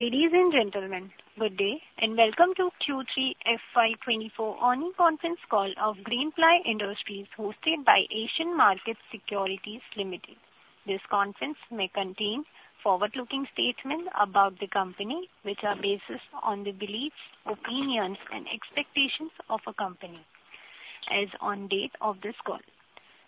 Ladies and gentlemen, good day, and welcome to Q3 FY24 Earnings Conference Call of Greenply Industries, hosted by Asian Market Securities Limited. This conference may contain forward-looking statements about the company, which are based on the beliefs, opinions, and expectations of our company as on date of this call.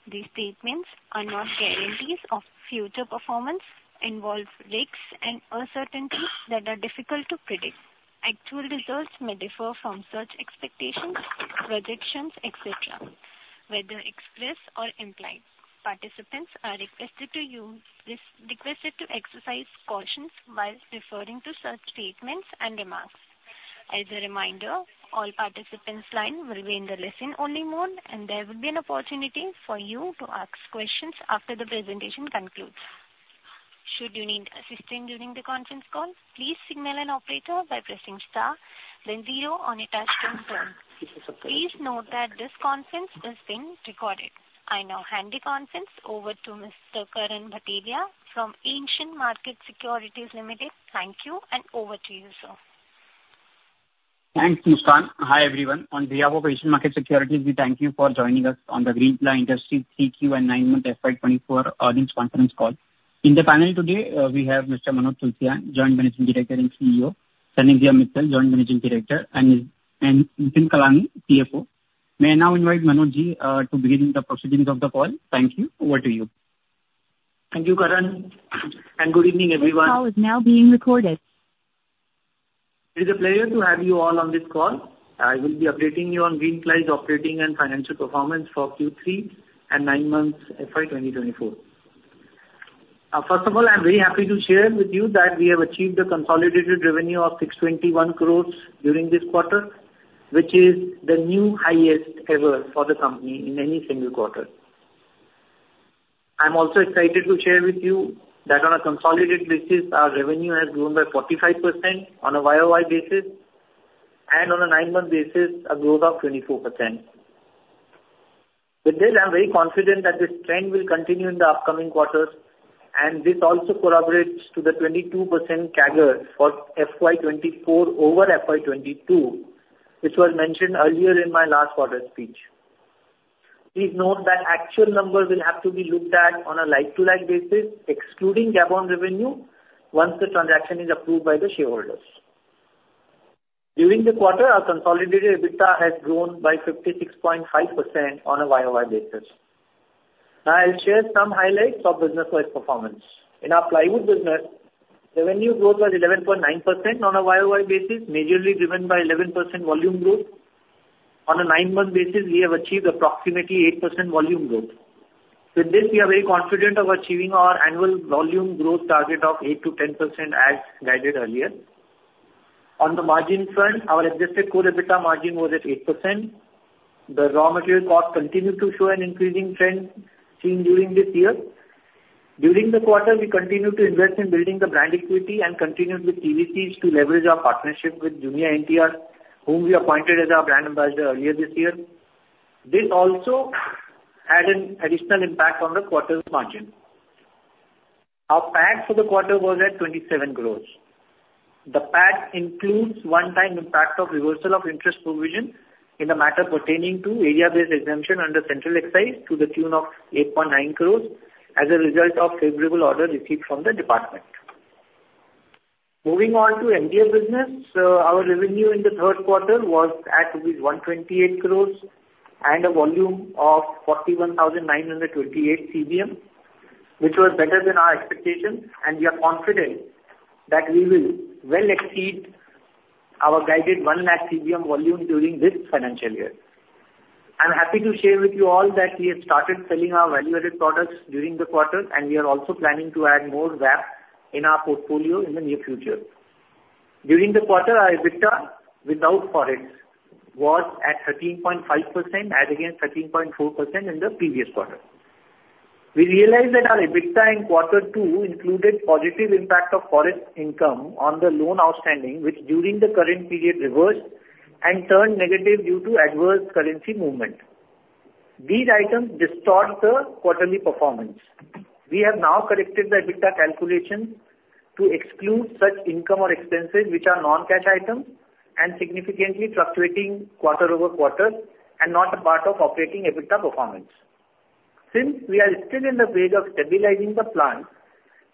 These statements are not guarantees of future performance, involve risks and uncertainties that are difficult to predict. Actual results may differ from such expectations, projections, et cetera, whether expressed or implied. Participants are requested to exercise caution while referring to such statements and remarks. As a reminder, all participants' line will be in the listen-only mode, and there will be an opportunity for you to ask questions after the presentation concludes. Should you need assistance during the conference call, please signal an operator by pressing star then zero on your touchtone phone. Please note that this conference is being recorded. I now hand the conference over to Mr. Karan Bhatelia from Asian Market Securities Private Limited. Thank you, and over to you, sir. Thanks, Nishan. Hi, everyone. On behalf of Asian Market Securities, we thank you for joining us on the Greenply Industries 3Q and 9-month FY 2024 earnings conference call. In the panel today, we have Mr. Manoj Tulsian, Joint Managing Director and CEO, Sanidhya Mittal, Joint Managing Director, and, and Nitin Kalani, CFO. May I now invite Manoj Ji to begin the proceedings of the call. Thank you. Over to you. Thank you, Karan, and good evening, everyone. It is a pleasure to have you all on this call. I will be updating you on Greenply's operating and financial performance for Q3 and 9 months FY 2024. First of all, I'm very happy to share with you that we have achieved a consolidated revenue of 621 crore during this quarter, which is the new highest ever for the company in any single quarter. I'm also excited to share with you that on a consolidated basis, our revenue has grown by 45% on a YOY basis, and on a 9-month basis, a growth of 24%. With this, I'm very confident that this trend will continue in the upcoming quarters, and this also corroborates to the 22% CAGR for FY 2024 over FY 2022, which was mentioned earlier in my last quarter's speech. Please note that actual numbers will have to be looked at on a like-to-like basis, excluding Gabon revenue, once the transaction is approved by the shareholders. During the quarter, our consolidated EBITDA has grown by 56.5% on a YOY basis. I'll share some highlights of business-wide performance. In our plywood business, revenue growth was 11.9% on a YOY basis, majorly driven by 11% volume growth. On a 9-month basis, we have achieved approximately 8% volume growth. With this, we are very confident of achieving our annual volume growth target of 8%-10%, as guided earlier. On the margin front, our adjusted core EBITDA margin was at 8%. The raw material cost continued to show an increasing trend seen during this year. During the quarter, we continued to invest in building the brand equity and continued with TVCs to leverage our partnership with Jr. NTR, whom we appointed as our brand ambassador earlier this year. This also had an additional impact on the quarter's margin. Our PAT for the quarter was at 27 crores. The PAT includes one-time impact of reversal of interest provision in the matter pertaining to area-based exemption under central excise to the tune of 8.9 crores as a result of favorable order received from the department. Moving on to MDF business, our revenue in the third quarter was at rupees 128 crores and a volume of 41,928 CBM, which was better than our expectations, and we are confident that we will well exceed our guided 100,000 CBM volume during this financial year. I'm happy to share with you all that we have started selling our value-added products during the quarter, and we are also planning to add more VAPs in our portfolio in the near future. During the quarter, our EBITDA without forex was at 13.5%, as against 13.4% in the previous quarter. We realized that our EBITDA in quarter two included positive impact of forex income on the loan outstanding, which during the current period reversed and turned negative due to adverse currency movement. These items distort the quarterly performance. We have now corrected the EBITDA calculation to exclude such income or expenses, which are non-cash items and significantly fluctuating quarter over quarter and not a part of operating EBITDA performance. Since we are still in the phase of stabilizing the plant,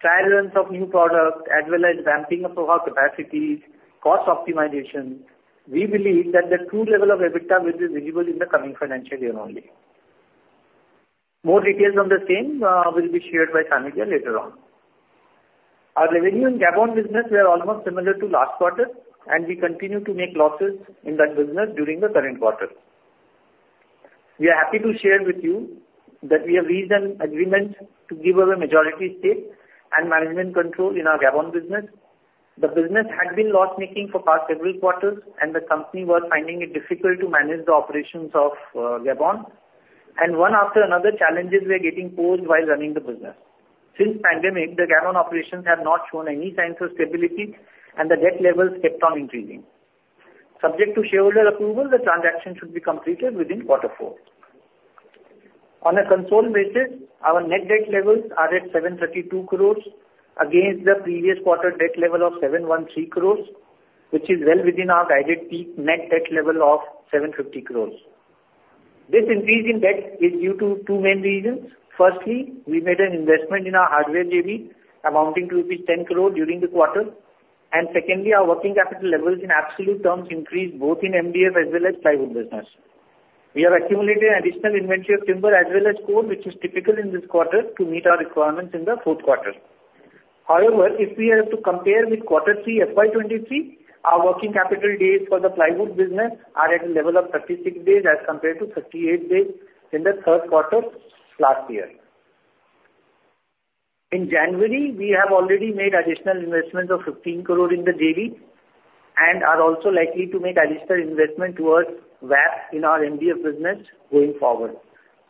trial runs of new products, as well as ramping up of our capacities, cost optimization, we believe that the true level of EBITDA will be visible in the coming financial year only. More details on the same, will be shared by Sanidhya later on. Our revenue in Gabon business were almost similar to last quarter, and we continue to make losses in that business during the current quarter. We are happy to share with you that we have reached an agreement to give away majority stake and management control in our Gabon business. The business had been loss-making for past several quarters, and the company was finding it difficult to manage the operations of, Gabon. One after another, challenges were getting posed while running the business. Since the pandemic, the Gabon operations have not shown any signs of stability, and the debt levels kept on increasing. Subject to shareholder approval, the transaction should be completed within quarter four. On a consolidated basis, our net debt levels are at 732 crore against the previous quarter debt level of 713 crore, which is well within our guided peak net debt level of 750 crore. This increase in debt is due to two main reasons. Firstly, we made an investment in our hardware JV amounting to rupees 10 crore during the quarter. And secondly, our working capital levels in absolute terms increased both in MDF as well as plywood business. We have accumulated an additional inventory of timber as well as core, which is typical in this quarter, to meet our requirements in the fourth quarter. However, if we have to compare with quarter three FY 2023, our working capital days for the plywood business are at a level of 36 days, as compared to 38 days in the third quarter last year. In January, we have already made additional investments of 15 crore in the JV, and are also likely to make additional investment towards VAP in our MDF business going forward.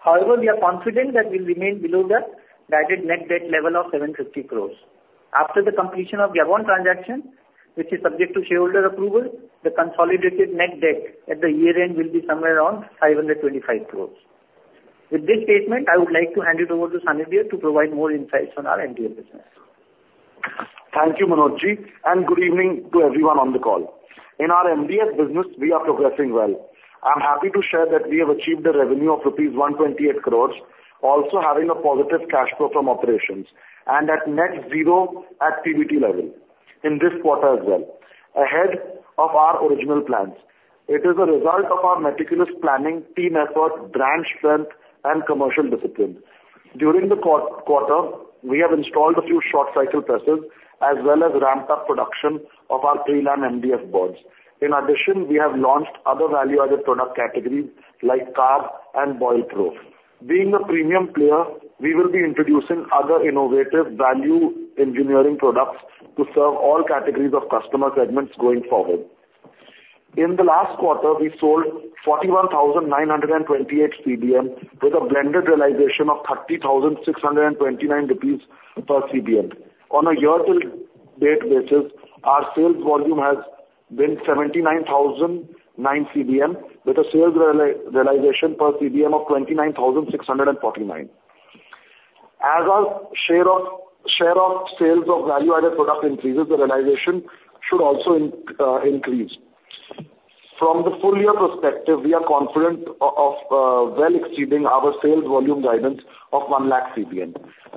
However, we are confident that we'll remain below the guided net debt level of 750 crore. After the completion of Gabon transaction, which is subject to shareholder approval, the consolidated net debt at the year-end will be somewhere around 525 crore. With this statement, I would like to hand it over to Sanidhya to provide more insights on our MDF business. Thank you, Manojji, and good evening to everyone on the call. In our MDF business, we are progressing well. I'm happy to share that we have achieved a revenue of rupees 128 crore, also having a positive cash flow from operations, and at net zero at PBT level in this quarter as well, ahead of our original plans. It is a result of our meticulous planning, team effort, brand strength, and commercial discipline. During the quarter, we have installed a few short-cycle presses, as well as ramped up production of our Prelam MDF boards. In addition, we have launched other value-added product categories like CARB and boil proof. Being a premium player, we will be introducing other innovative value engineering products to serve all categories of customer segments going forward. In the last quarter, we sold 41,928 CBM, with a blended realization of 30,629 rupees per CBM. On a year till date basis, our sales volume has been 79,009 CBM, with a sales realization per CBM of 29,649. As our share of, share of sales of value-added product increases, the realization should also increase. From the full year perspective, we are confident of well exceeding our sales volume guidance of 100,000 CBM.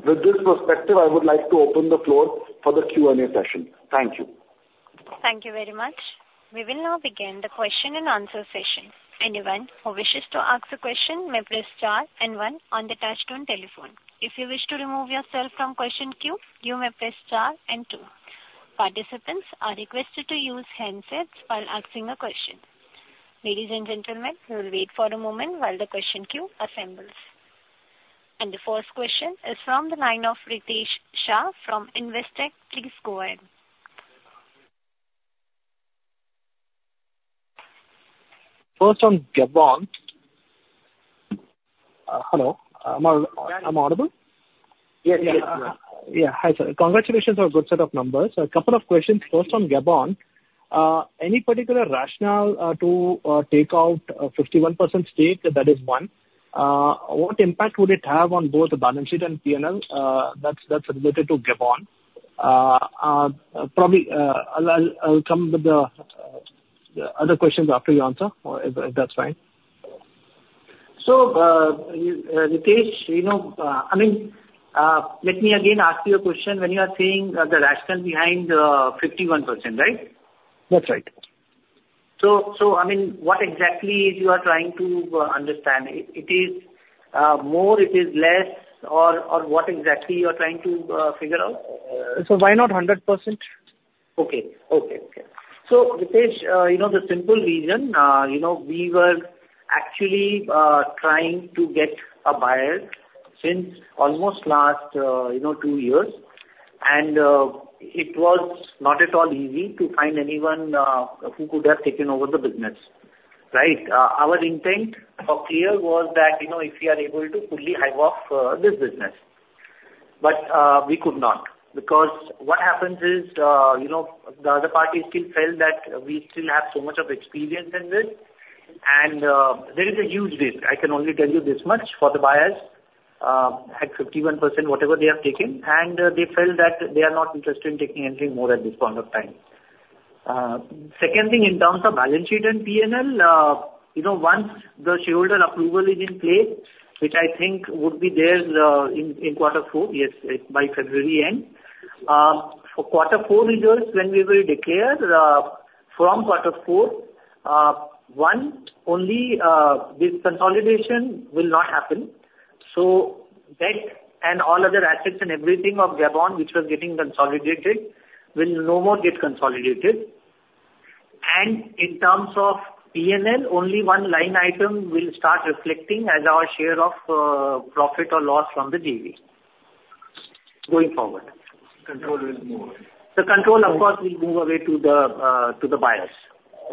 With this perspective, I would like to open the floor for the Q&A session. Thank you. Thank you very much. We will now begin the question and answer session. Anyone who wishes to ask a question may press star and one on the touchtone telephone. If you wish to remove yourself from question queue, you may press star and two. Participants are requested to use handsets while asking a question. Ladies and gentlemen, we will wait for a moment while the question queue assembles. The first question is from the line of Ritesh Shah from Investec. Please go ahead. Yeah. Hi, sir. Congratulations on a good set of numbers. A couple of questions. First, on Gabon, any particular rationale to take out a 51% stake? That is one. What impact would it have on both the balance sheet and P&L? That's related to Gabon. Probably, I'll come with the other questions after you answer, if that's fine. Ritesh, you know, I mean, let me again ask you a question. When you are saying, the rationale behind, 51%, right? That's right. So, I mean, what exactly is you are trying to understand? It is more, it is less, or what exactly you are trying to figure out? So why not 100%? Okay. Okay, okay. So, Ritesh, you know, the simple reason, you know, we were actually trying to get a buyer since almost last two years, and it was not at all easy to find anyone who could have taken over the business, right? Our intent here was that, you know, if we are able to fully hive off this business. But we could not, because what happens is, you know, the other party still felt that we still have so much of experience in this, and there is a huge risk. I can only tell you this much, for the buyers, at 51%, whatever they have taken, and they felt that they are not interested in taking anything more at this point of time. Second thing, in terms of balance sheet and P&L, you know, once the shareholder approval is in place, which I think would be there, in quarter four, yes, by February end. For quarter four results, when we will declare, from quarter four, one, only, this consolidation will not happen, so debt and all other assets and everything of Gabon, which was getting consolidated, will no more get consolidated. And in terms of P&L, only one line item will start reflecting as our share of, profit or loss from the JV going forward. The control, of course, will move away to the buyers.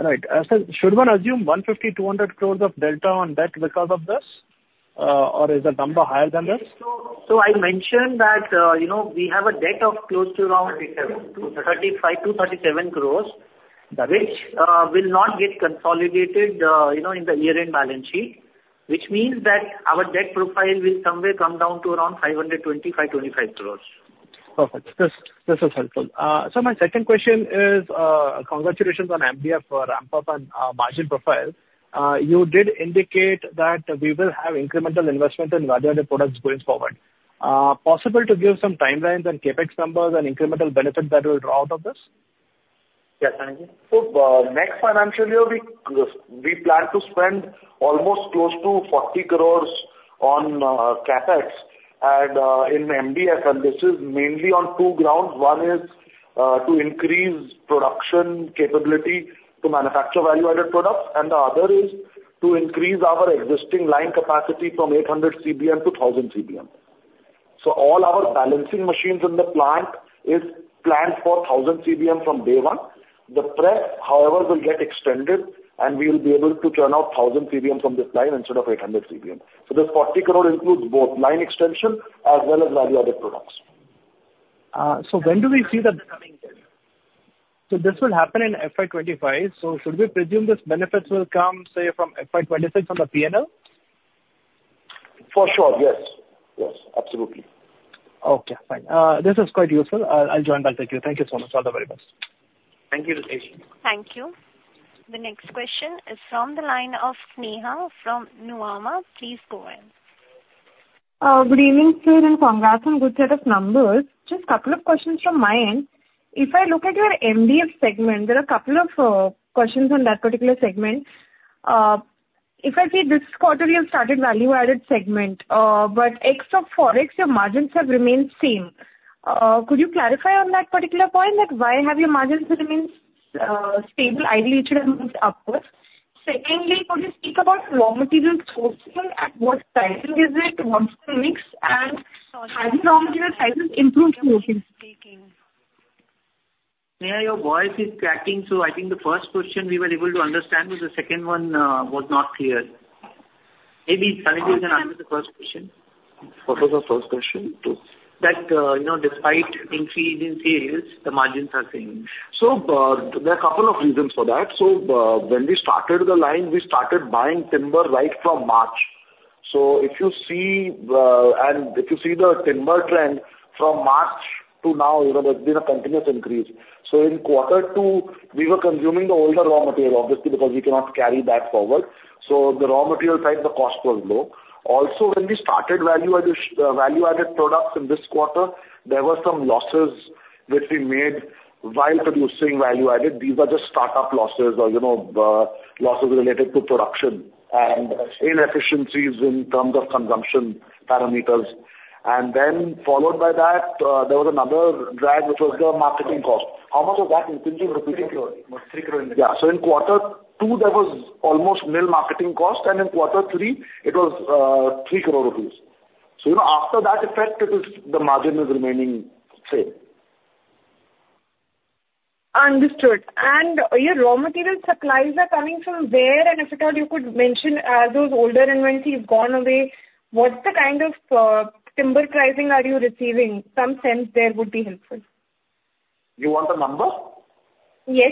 Right. Sir, should one assume 150 crores-200 crores of delta on debt because of this, or is the number higher than this? I mentioned that, you know, we have a debt of close to around 35 crores-INR 37 crores. which will not get consolidated, you know, in the year-end balance sheet, which means that our debt profile will somewhere come down to around 525.25 crore. Perfect. This, this is helpful. My second question is, congratulations on MDF for ramp-up and margin profile. You did indicate that we will have incremental investment in value-added products going forward. Possible to give some timelines and CapEx numbers and incremental benefit that will draw out of this? Yeah, thank you. So, next financial year, we, we plan to spend almost close to 40 crore on, CapEx and, in MDF, and this is mainly on two grounds. One is, to increase production capability to manufacture value-added products, and the other is to increase our existing line capacity from 800 CBM to 1,000 CBM. So all our balancing machines in the plant is planned for 1,000 CBM from day one. The prep, however, will get extended, and we will be able to turn out 1,000 CBM from this line instead of 800 CBM. So this 40 crore includes both line extension as well as value-added products. So when do we see that coming in? So this will happen in FY 25. So should we presume these benefits will come, say, from FY 26 on the PNL? For sure. Yes, absolutely. Okay, fine. This is quite useful. I'll join back with you. Thank you so much. All the very best. Thank you, Ritesh. Thank you. The next question is from the line of Neha from Nuvama. Please go ahead. Good evening, sir, and congrats on good set of numbers. Just a couple of questions from my end. If I look at your MDF segment, there are a couple of questions on that particular segment. If I see this quarter, you have started value-added segment, but ex of Forex, your margins have remained same. Could you clarify on that particular point, like, why have your margins remained stable, ideally it should have moved upwards? Secondly, could you speak about raw material sourcing and what pricing is it, what's the mix, and have the raw material prices improved mostly? Neha, your voice is cracking, so I think the first question we were able to understand, but the second one was not clear. Maybe Ritesh can answer the first question. What was the first question? That, you know, despite increase in sales, the margins are same. So, there are a couple of reasons for that. So, when we started the line, we started buying timber right from March. So if you see, and if you see the timber trend from March to now, you know, there's been a continuous increase. So in quarter two, we were consuming the older raw material, obviously, because we cannot carry that forward. So the raw material side, the cost was low. Also, when we started value-added products in this quarter, there were some losses which we made while producing value added. These were just start-up losses or, you know, losses related to production and inefficiencies in terms of consumption parameters. And then, followed by that, there was another drag, which was the marketing cost. How much was that in rupees? So in quarter two, there was almost nil marketing cost, and in quarter three, it was 3 crore rupees. After that effect, the margin is remaining same. Understood. Your raw material supplies are coming from where? If at all you could mention, as those older inventories have gone away, what's the kind of timber pricing are you receiving? Some sense there would be helpful. You want the number? Yes.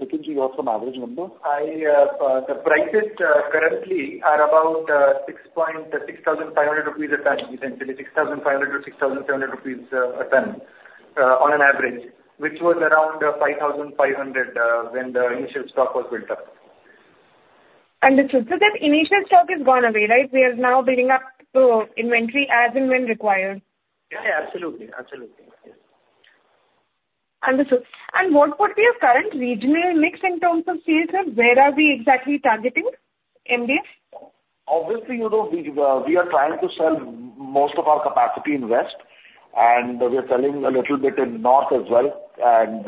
Nitin, do you have an average number? The prices currently are about 6,650 rupees a ton, essentially 6,500-6,700 rupees a ton on an average, which was around 5,500 when the initial stock was built up. Understood. So that initial stock is gone away, right? We are now building up the inventory as and when required. Absolutely. Understood. What would be your current regional mix in terms of sales, and where are we exactly targeting MDF? Obviously, we are trying to sell most of our capacity in West, and we are selling a little bit in North as well, and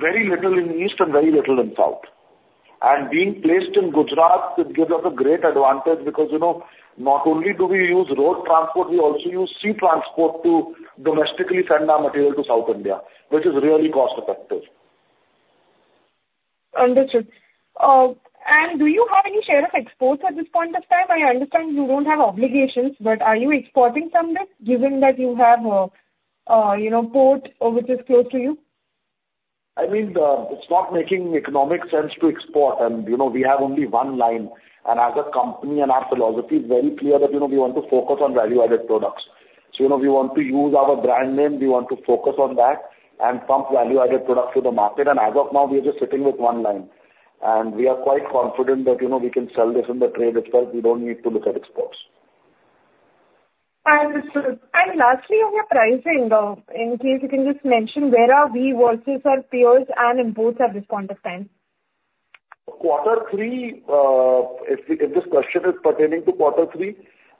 very little in East and very little in South. And being placed in Gujarat, it gives us a great advantage because, you know, not only do we use road transport, we also use sea transport to domestically send our material to South India, which is really cost-effective. Understood. Do you have any share of exports at this point of time? I understand you don't have obligations, but are you exporting some bit, given that you have, you know, port, which is close to you? I mean, it's not making economic sense to export, and we have only one line. And as a company, our philosophy is very clear that, you know, we want to focus on value-added products. We want to use our brand name, we want to focus on that and pump value-added products to the market. And as of now, we are just sitting with one line, and we are quite confident that, you know, we can sell this in the trade itself. We don't need to look at exports. Understood. And lastly, on your pricing, in case you can just mention where are we versus our peers and imports at this point of time? Quarter three, if this question is pertaining to quarter three,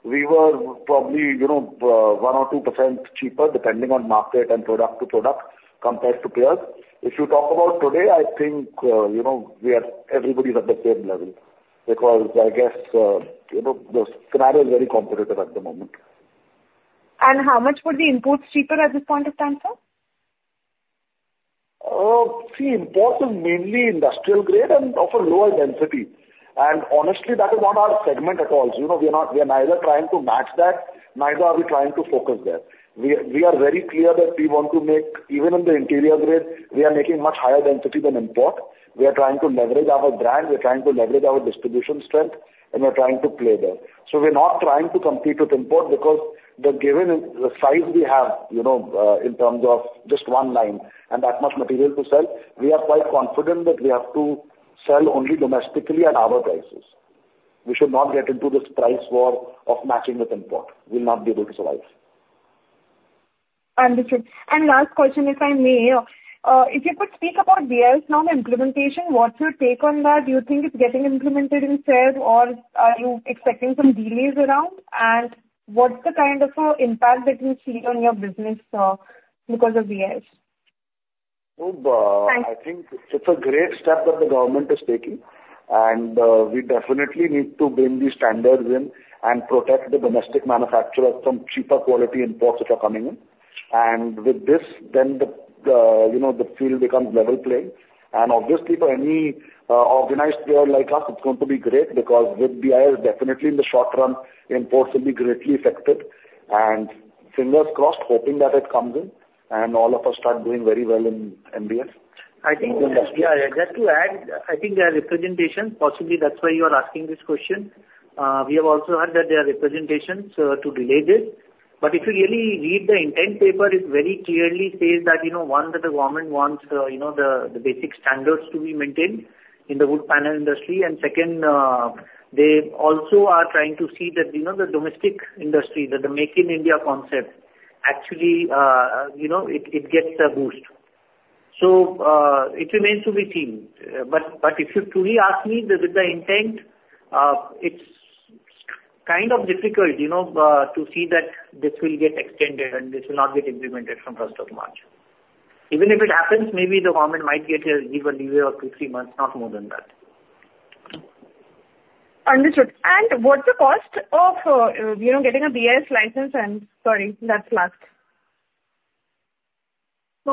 we were probably, you know, 1 or 2% cheaper, depending on market and product to product, compared to peers. If you talk about today, I think, you know, we are, everybody's at the same level because I guess, you know, the scenario is very competitive at the moment. How much were the imports cheaper at this point of time, sir? See, imports are mainly industrial grade and of a lower density. And honestly, that is not our segment at all. You know, we are not, we are neither trying to match that, neither are we trying to focus there. We, we are very clear that we want to make, even in the interior grade, we are making much higher density than import. We are trying to leverage our brand, we are trying to leverage our distribution strength, and we are trying to play there. So we're not trying to compete with import because the given, the size we have, you know, in terms of just one line and that much material to sell, we are quite confident that we have to sell only domestically at our prices. We should not get into this price war of matching with import. We'll not be able to survive. Understood. And last question, if I may. If you could speak about BIS norm implementation, what's your take on that? Do you think it's getting implemented in sales, or are you expecting some delays around? And what's the kind of impact that you see on your business because of BIS? Thanks. I think it's a great step that the government is taking, and, we definitely need to bring these standards in and protect the domestic manufacturers from cheaper quality imports which are coming in. And with this, then the, you know, the field becomes level playing. And obviously for any, organized player like us, it's going to be great because with BIS, definitely in the short run, imports will be greatly affected. And fingers crossed, hoping that it comes in and all of us start doing very well in MDF. I think, yeah, just to add, I think there are representations, possibly that's why you are asking this question. We have also heard that there are representations to delay this. But if you really read the intent paper, it very clearly says that, you know, one, that the government wants, you know, the basic standards to be maintained in the wood panel industry. And second, they also are trying to see that, you know, the domestic industry, that the Make in India concept, actually, it gets a boost. So, it remains to be seen. But if you truly ask me, with the intent, it's kind of difficult, you know, to see that this will get extended and this will not get implemented from first of March. Even if it happens, maybe the government might give a leeway of 2-3 months, not more than that. Understood. And what's the cost of getting a BIS license. So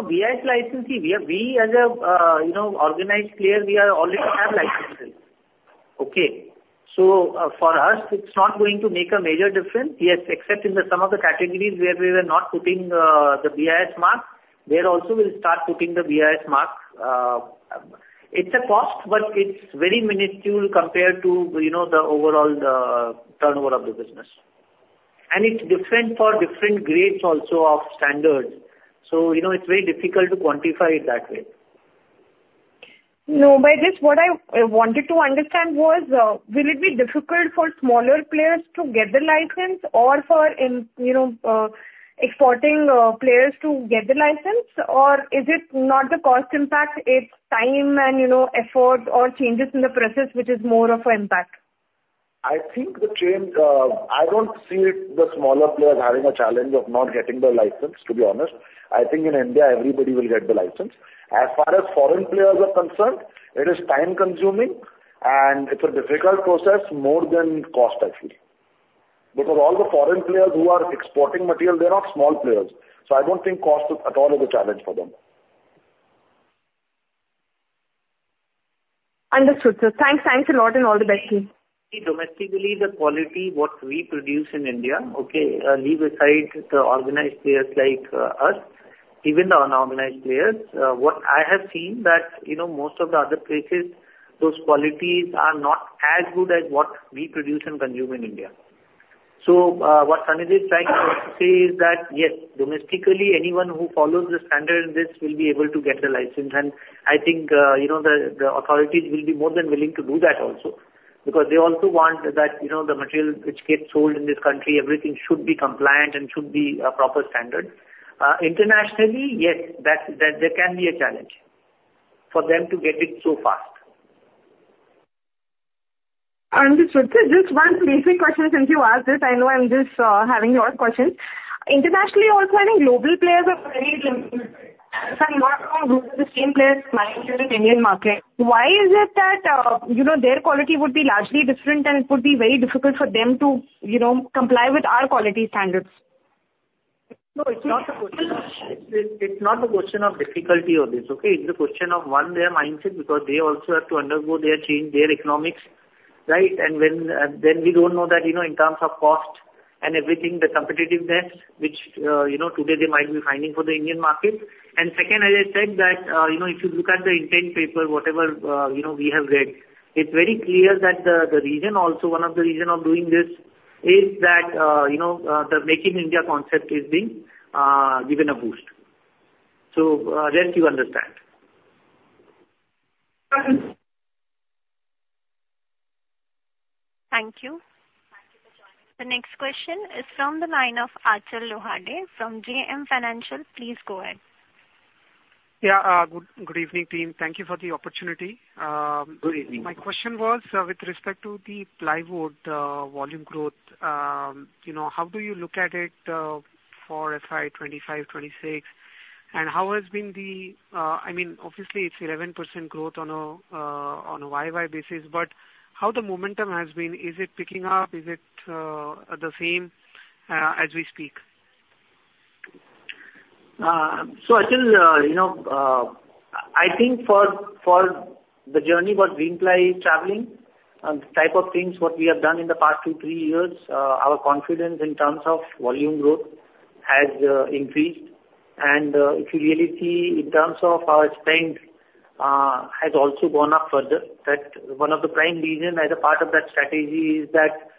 BIS licensing, we are, we as a, you know, organized player, we are already have licenses. Okay? So, for us, it's not going to make a major difference. Yes, except in the some of the categories where we were not putting, the BIS mark. We'll also start putting the BIS mark. It's a cost, but it's very minuscule compared to, you know, the overall, turnover of the business. And it's different for different grades also of standards. I's very difficult to quantify it that way. No, by this, what I wanted to understand was, will it be difficult for smaller players to get the license or for in exporting, players to get the license? Or is it not the cost impact, it's time and, you know, effort or changes in the process, which is more of an impact? I think the change, I don't see it, the smaller players having a challenge of not getting the license, to be honest. I think in India, everybody will get the license. As far as foreign players are concerned, it is time-consuming, and it's a difficult process, more than cost, I feel. Because all the foreign players who are exporting material, they're not small players, so I don't think cost at all is a challenge for them. Understood, sir. Thanks. Thanks a lot, and all the best to you. Domestically, the quality what we produce in India, okay, leave aside the organized players like, us, even the unorganized players, what I have seen that, you know, most of the other places, those qualities are not as good as what we produce and consume in India. So, what Sanidhya is trying to say is that, yes, domestically, anyone who follows the standard in this will be able to get a license. And I think the authorities will be more than willing to do that also, because they also want that the material which gets sold in this country, everything should be compliant and should be a proper standard. Internationally, yes, there can be a challenge for them to get it so fast. Understood. Sir, just one basic question, since you asked this, I know I'm just having a lot of questions. Internationally, also, I think global players are very limited. If I'm not wrong, those are the same players playing here in Indian market. Why is it that, you know, their quality would be largely different and it would be very difficult for them to, you know, comply with our quality standards? No, it's not a question of, it's not a question of difficulty or this, okay? It's a question of, one, their mindset, because they also have to undergo their change, their economics, right? And when, then we don't know that, you know, in terms of cost and everything, the competitiveness, which, you know, today they might be finding for the Indian market. And second, as I said, that, you know, if you look at the intent paper, whatever, you know, we have read, it's very clear that the, the reason, also one of the reason of doing this is that, you know, the Make in India concept is being, given a boost. So, rest you understand. Thank you. Thank you for joining. The next question is from the line of Achal Lohade from JM Financial. Please go ahead. Yeah, good, good evening, team. Thank you for the opportunity. Good evening. My question was, with respect to the plywood, volume growth, you know, how do you look at it, for FY 25, 26? And how has been, obviously, it's 11% growth on a YoY basis, but how the momentum has been? Is it picking up? Is it, the same, as we speak? I think for the journey what Greenply is traveling, and the type of things what we have done in the past 2-3 years, our confidence in terms of volume growth has increased. If you really see in terms of our spend, has also gone up further. That one of the prime reason as a part of that strategy is that,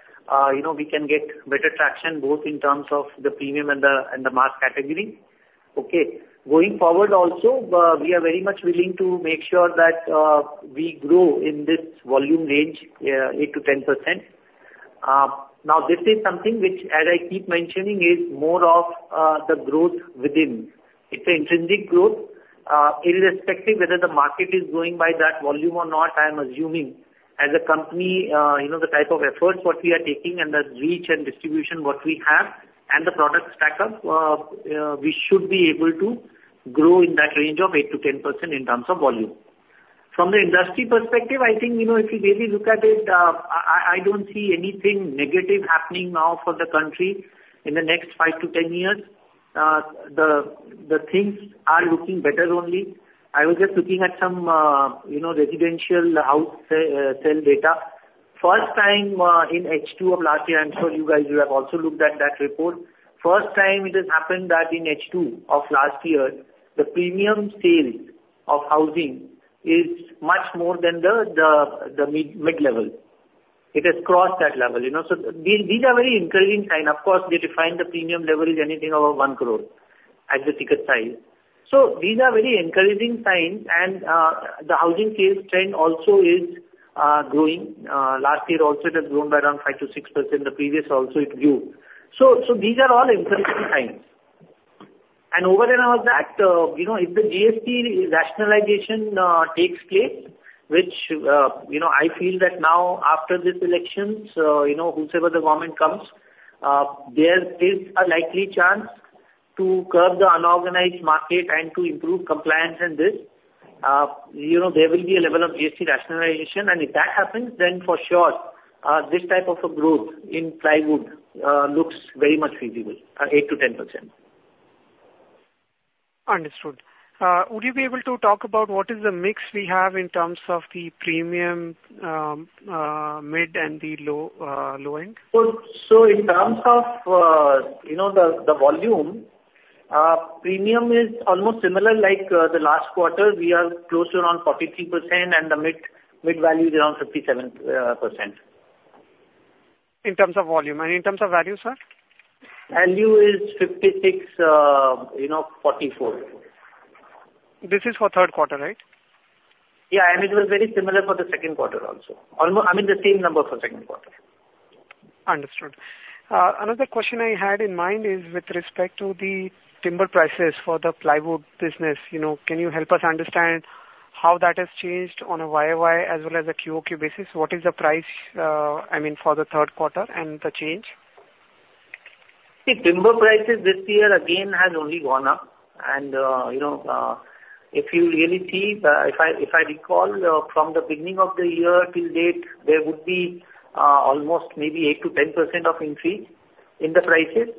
you know, we can get better traction, both in terms of the premium and the mass category. Okay. Going forward also, we are very much willing to make sure that, we grow in this volume range, 8%-10%. Now, this is something which, as I keep mentioning, is more of, the growth within. It's an intrinsic growth. Irrespective whether the market is growing by that volume or not, I am assuming as a company, you know, the type of efforts what we are taking and the reach and distribution what we have, and the product stack-up, we should be able to grow in that range of 8%-10% in terms of volume. From the industry perspective, I think, you know, if you really look at it, I don't see anything negative happening now for the country in the next 5-10 years. The things are looking better only. I was just looking at some, you know, residential house sale data. First time, in H2 of last year, I'm sure you guys you have also looked at that report. First time it has happened that in H2 of last year, the premium sales of housing is much more than the mid-level. It has crossed that level, you know. So these are very encouraging sign. Of course, they define the premium level is anything over 1 crore as the ticket size. So these are very encouraging signs and the housing sales trend also is growing. Last year also it has grown by around 5%-6%. The previous also it grew. So these are all encouraging signs. And over and above that, you know, if the GST rationalization takes place, which, you know, I feel that now after this elections, you know, whosoever the government comes, there is a likely chance to curb the unorganized market and to improve compliance and this, you know, there will be a level of GST rationalization, and if that happens, then for sure, this type of a growth in plywood looks very much feasible, 8%-10%. Understood. Would you be able to talk about what is the mix we have in terms of the premium, mid, and the low, low end? In terms of, you know, the volume, premium is almost similar, like, the last quarter. We are close to around 43%, and the mid-value is around 57%. In terms of volume. In terms of value, sir? Value is 56, you know, 44. This is for third quarter, right? Yeah, and it was very similar for the second quarter also. I mean, the same number for second quarter. Understood. Another question I had in mind is with respect to the timber prices for the plywood business, you know, can you help us understand how that has changed on a YOY as well as a QoQ basis? What is the price, I mean, for the third quarter and the change? The timber prices this year, again, has only gone up. And, you know, if you really see, if I, if I recall, from the beginning of the year till date, there would be, almost maybe 8%-10% increase in the prices.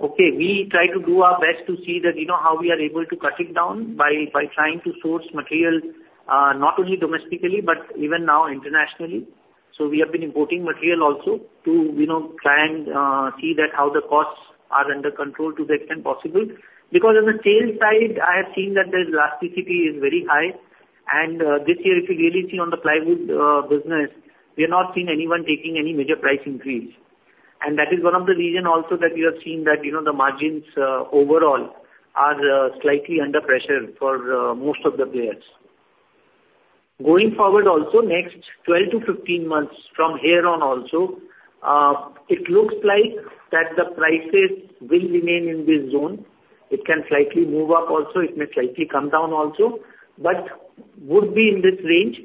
Okay, we try to do our best to see that, you know, how we are able to cut it down by, by trying to source materials, not only domestically, but even now internationally. So we have been importing material also to, you know, try and, see that how the costs are under control to the extent possible. Because on the sales side, I have seen that the elasticity is very high, and, this year, if you really see on the plywood, business, we are not seeing anyone taking any major price increase. That is one of the reasons also that we are seeing that, you know, the margins overall are slightly under pressure for most of the players. Going forward also, next 12-15 months from here on also, it looks like that the prices will remain in this zone. It can slightly move up also, it may slightly come down also, but would be in this range.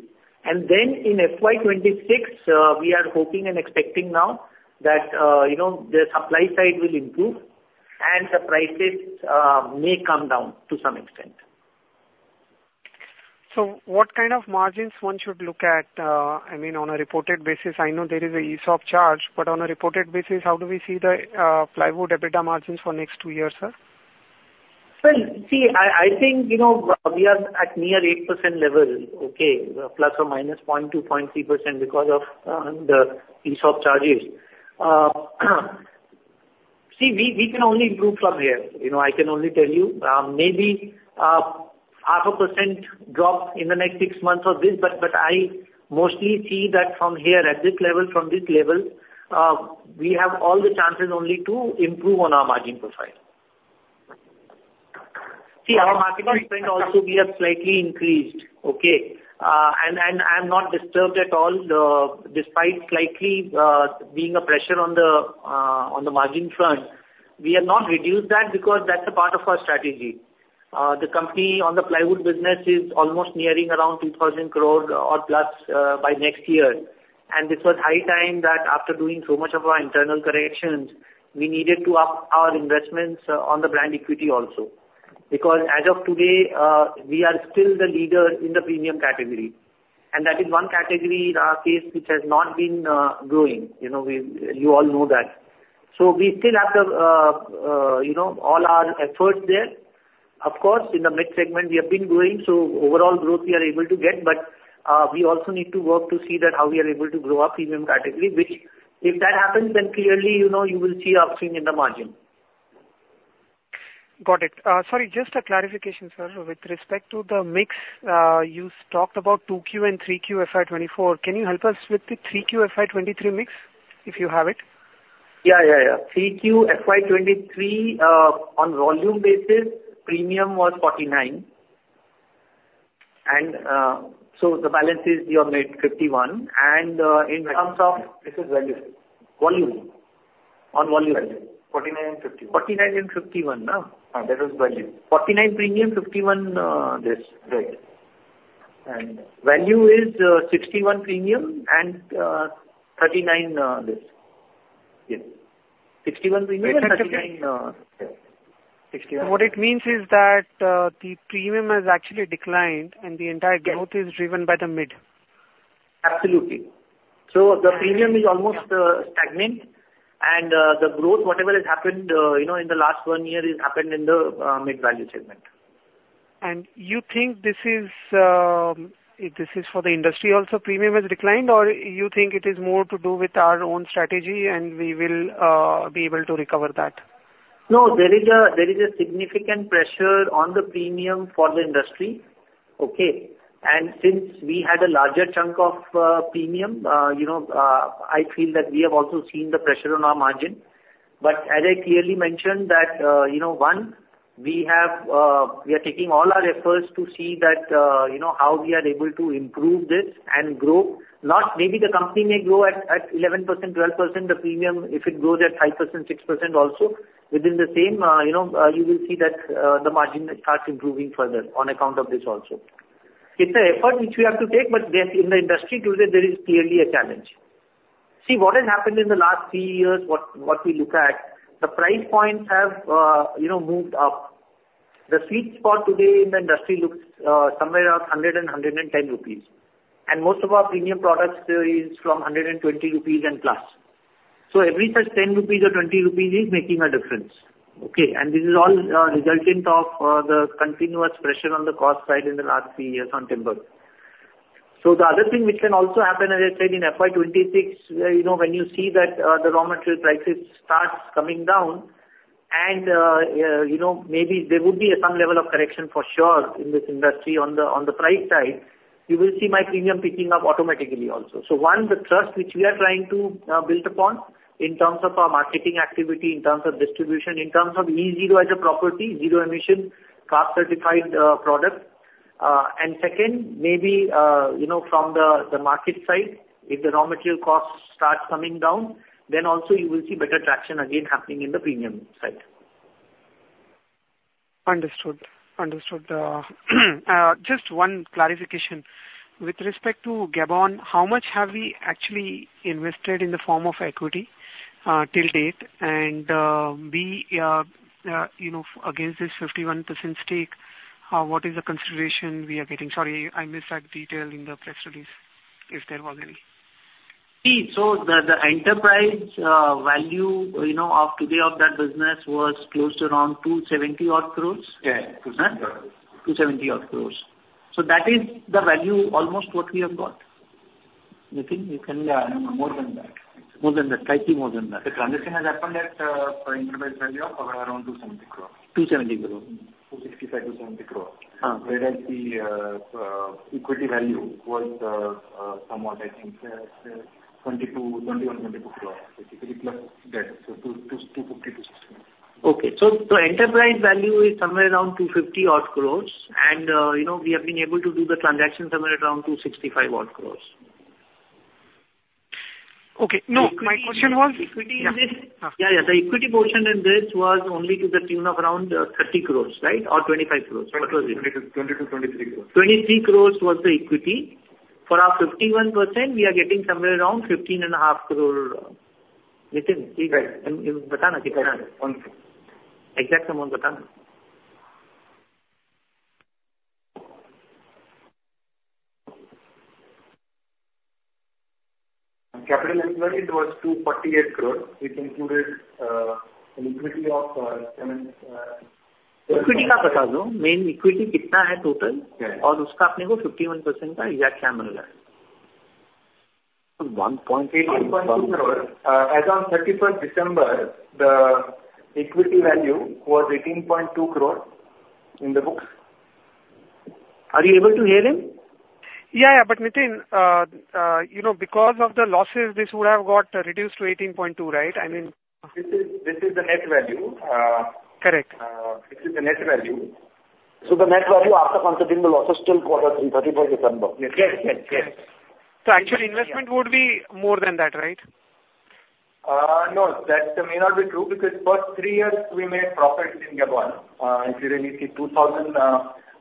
And then in FY 2026, we are hoping and expecting now that, you know, the supply side will improve and the prices may come down to some extent. So what kind of margins one should look at, I mean, on a reported basis? I know there is a ESOP charge, but on a reported basis, how do we see the plywood EBITDA margins for next two years, sir? Well, see, I think, you know, we are at near 8% level, okay? ±0.2-0.3% because of the ESOP charges. See, we can only improve from here. You know, I can only tell you, maybe 0.5% drop in the next six months or this, but I mostly see that from here, at this level, from this level, we have all the chances only to improve on our margin profile. See, our marketing spend also, we have slightly increased, okay? And I'm not disturbed at all, despite slightly being a pressure on the margin front. We have not reduced that because that's a part of our strategy. The company on the plywood business is almost nearing around 2,000 crore+, by next year. It was high time that after doing so much of our internal corrections, we needed to up our investments on the brand equity also. Because as of today, we are still the leader in the premium category. That is one category in our case, which has not been growing. You know, you all know that. So we still have the, you know, all our efforts there. Of course, in the mid segment we have been growing, so overall growth we are able to get, but we also need to work to see that how we are able to grow our premium category, which if that happens, then clearly, you know, you will see upstream in the margin. Got it. Sorry, just a clarification, sir. With respect to the mix, you talked about 2Q and 3Q, FY 2024. Can you help us with the 3Q, FY 2023 mix, if you have it? Yeah, yeah, yeah. 3Q, FY 2023, on volume basis, premium was 49. And so the balance is your mid 51. And in terms of value is 61 premium and 39 this. What it means is that, the premium has actually declined and the entire growth is driven by the mid. Absolutely. So the premium is almost stagnant, and the growth, whatever has happened, you know, in the last one year has happened in the mid-value segment. You think this is, this is for the industry also, premium has declined, or you think it is more to do with our own strategy and we will be able to recover that? No, there is a significant pressure on the premium for the industry. Okay? And since we had a larger chunk of premium, you know, I feel that we have also seen the pressure on our margin. But as I clearly mentioned that, you know, one, we have, we are taking all our efforts to see that, you know, how we are able to improve this and grow. Not maybe the company may grow at 11%, 12%, the premium, if it grows at 5%, 6% also, within the same, you know, you will see that the margin starts improving further on account of this also. It's a effort which we have to take, but yes, in the industry today, there is clearly a challenge. See, what has happened in the last three years, what we look at, the price points have, you know, moved up. The sweet spot today in the industry looks somewhere around 100-110 rupees. And most of our premium products there is from 120+ rupees. So every such 10 rupees or 20 rupees is making a difference. Okay? And this is all resultant of the continuous pressure on the cost side in the last three years on timber. So the other thing which can also happen, as I said, in FY 2026, you know, when you see that, the raw material prices starts coming down and, you know, maybe there would be some level of correction for sure in this industry on the, on the price side, you will see MDF premium picking up automatically also. So one, the trust which we are trying to, build upon in terms of our marketing activity, in terms of distribution, in terms of E zero as a property, zero emission, CARB certified, product. And second, maybe, you know, from the, the market side, if the raw material costs start coming down, then also you will see better traction again happening in the premium side. Understood. Understood. Just one clarification. With respect to Gabon, how much have we actually invested in the form of equity till date? And, we, you know, against this 51% stake, what is the consideration we are getting? Sorry, I missed that detail in the press release, if there was any. See, so the enterprise value, you know, of today of that business was close to around 270-odd crore. 270-odd crore. So that is the value almost what we have got. More than that. Slightly more than that. The transaction has happened at enterprise value of around INR 270 crore. Whereas the equity value was somewhat, I think, 21 crore-22 crore, basically plus debt, so 250 crore-260 crore. Okay. So, enterprise value is somewhere around 250 odd crores. And, you know, we have been able to do the transaction somewhere around 265 odd crores. The equity portion in this was only to the tune of around 30 crores, right? Or 25 crores. What was it? 23 crore was the equity. For our 51%, we are getting somewhere around 15.5 crore. Nitin. Capital investment was 248 crore, which included an equity ofs on 31st December, the equity value was 18.2 crore in the books. But Nitin, because of the losses, this would have got reduced to 18.2, right? This is the net value. The net value after considering the losses still was December 31, 2018. Yes. Actually, investment would be more than that, right? No, that may not be true, because first three years, we made profits in Gabon. If you really see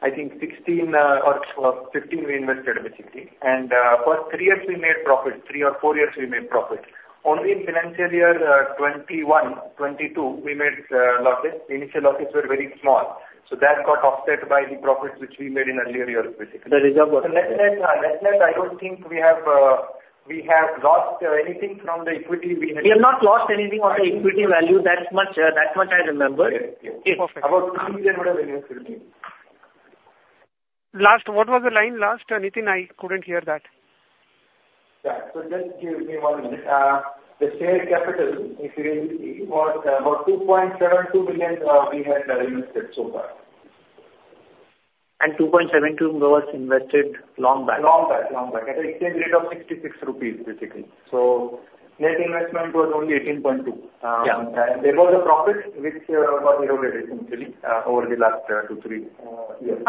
2016 or 2015, we invested basically. First three years, we made profits. Three or four years, we made profits. Only in the financial year 2021, 2022, we made losses. The initial losses were very small, so that got offset by the profits which we made in earlier years, basically. So, net-net, I don't think we have lost anything from the equity we had. We have not lost anything on the equity value, that much, that much I remember. Okay, perfect. About INR 3 million would have been lost. Last, what was the line last, Nitin? I couldn't hear that. So just give me one minute. The share capital, if you really see, was about INR 2.72 billion, we had invested so far. Long back at an exchange rate of 66 rupees, basically. So net investment was only 18.2. There was a profit which was eroded, essentially, over the last 2-3 years.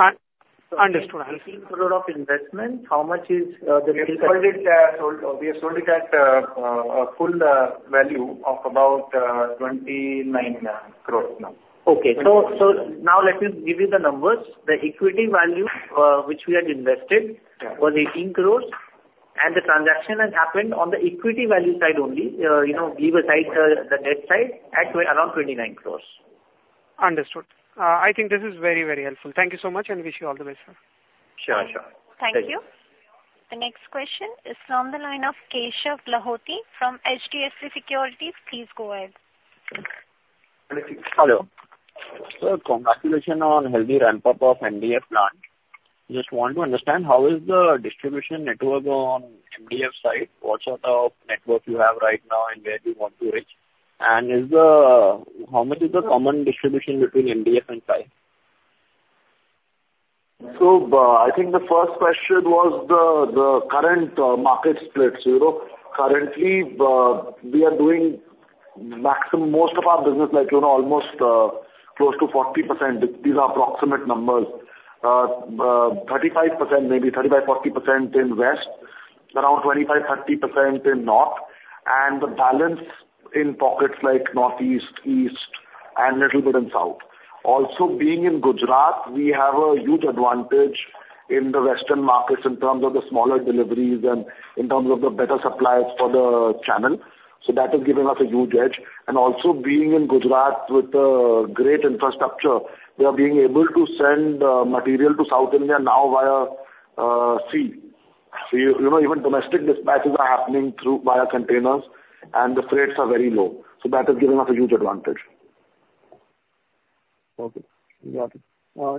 Understood. In terms of investment, how much is, the-? We have sold it at a full value of about 29 crore now. Okay. So now let me give you the numbers. The equity value, which we had invested was 18 crores, and the transaction had happened on the equity value side only. You know, leave aside, the debt side at around 29 crores. Understood. I think this is very, very helpful. Thank you so much, and wish you all the best, sir. Thank you. The next question is from the line of Keshav Lahoti from HDFC Securities. Please go ahead. Hello. Sir, congratulations on healthy ramp-up of MDF plant. Just want to understand, how is the distribution network on MDF side? What sort of network you have right now and where do you want to reach? And how much is the common distribution between MDF and ply? So, I think the first question was the current market splits. You know, currently, we are doing maximum, most of our business, like, you know, almost close to 40%. These are approximate numbers. 35%, maybe 35%-40% in West, around 25%-30% in North, and the balance in pockets like Northeast, East, and little bit in South. Also, being in Gujarat, we have a huge advantage in the western markets in terms of the smaller deliveries and in terms of the better supplies for the channel, so that is giving us a huge edge. And also, being in Gujarat with a great infrastructure, we are being able to send material to South India now via sea. So, you know, even domestic dispatches are happening through via containers, and the freights are very low, so that is giving us a huge advantage. Okay. Got it.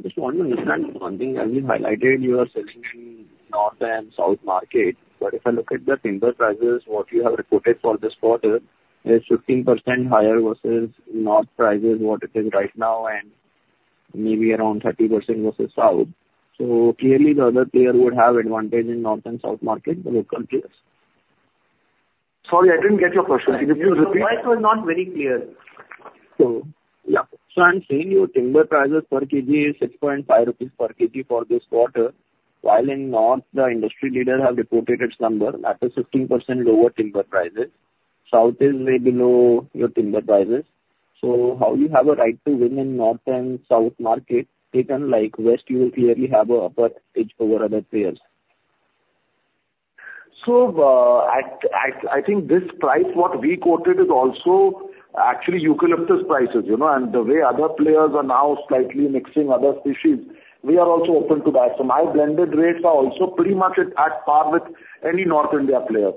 Just want to understand one thing. As you highlighted, you are selling in North and South market, but if I look at the timber prices, what you have reported for this quarter is 15% higher versus North prices, what it is right now, and maybe around 30% versus South. So clearly, the other player would have advantage in North and South market, the local players. Sorry, I didn't get your question. Could you please repeat? So I'm seeing your timber prices per kg is 6.5 rupees per kg for this quarter, while in north, the industry leaders have reported its number at a 15% lower timber prices. South is way below your timber prices. So how you have a right to win in north and south market, even like west, you clearly have a upper edge over other players? So, I think this price, what we quoted, is also actually eucalyptus prices, you know? And the way other players are now slightly mixing other species, we are also open to that. So my blended rates are also pretty much at par with any North India player.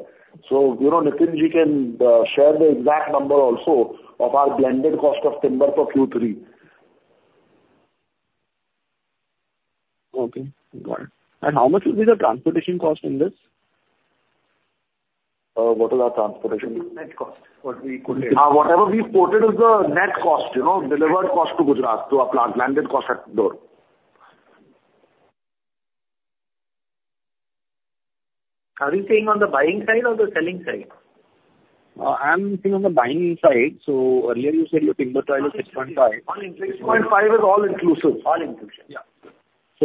So, you know, Nitinji can share the exact number also of our blended cost of timber for Q3. Okay, got it. How much will be the transportation cost in this? What is our transportation? Whatever we quoted is the net cost, you know, delivered cost to Gujarat, to our plant, landed cost at door. Are you saying on the buying side or the selling side? I'm saying on the buying side. So earlier, you said your timber price is 6.5 is all inclusive.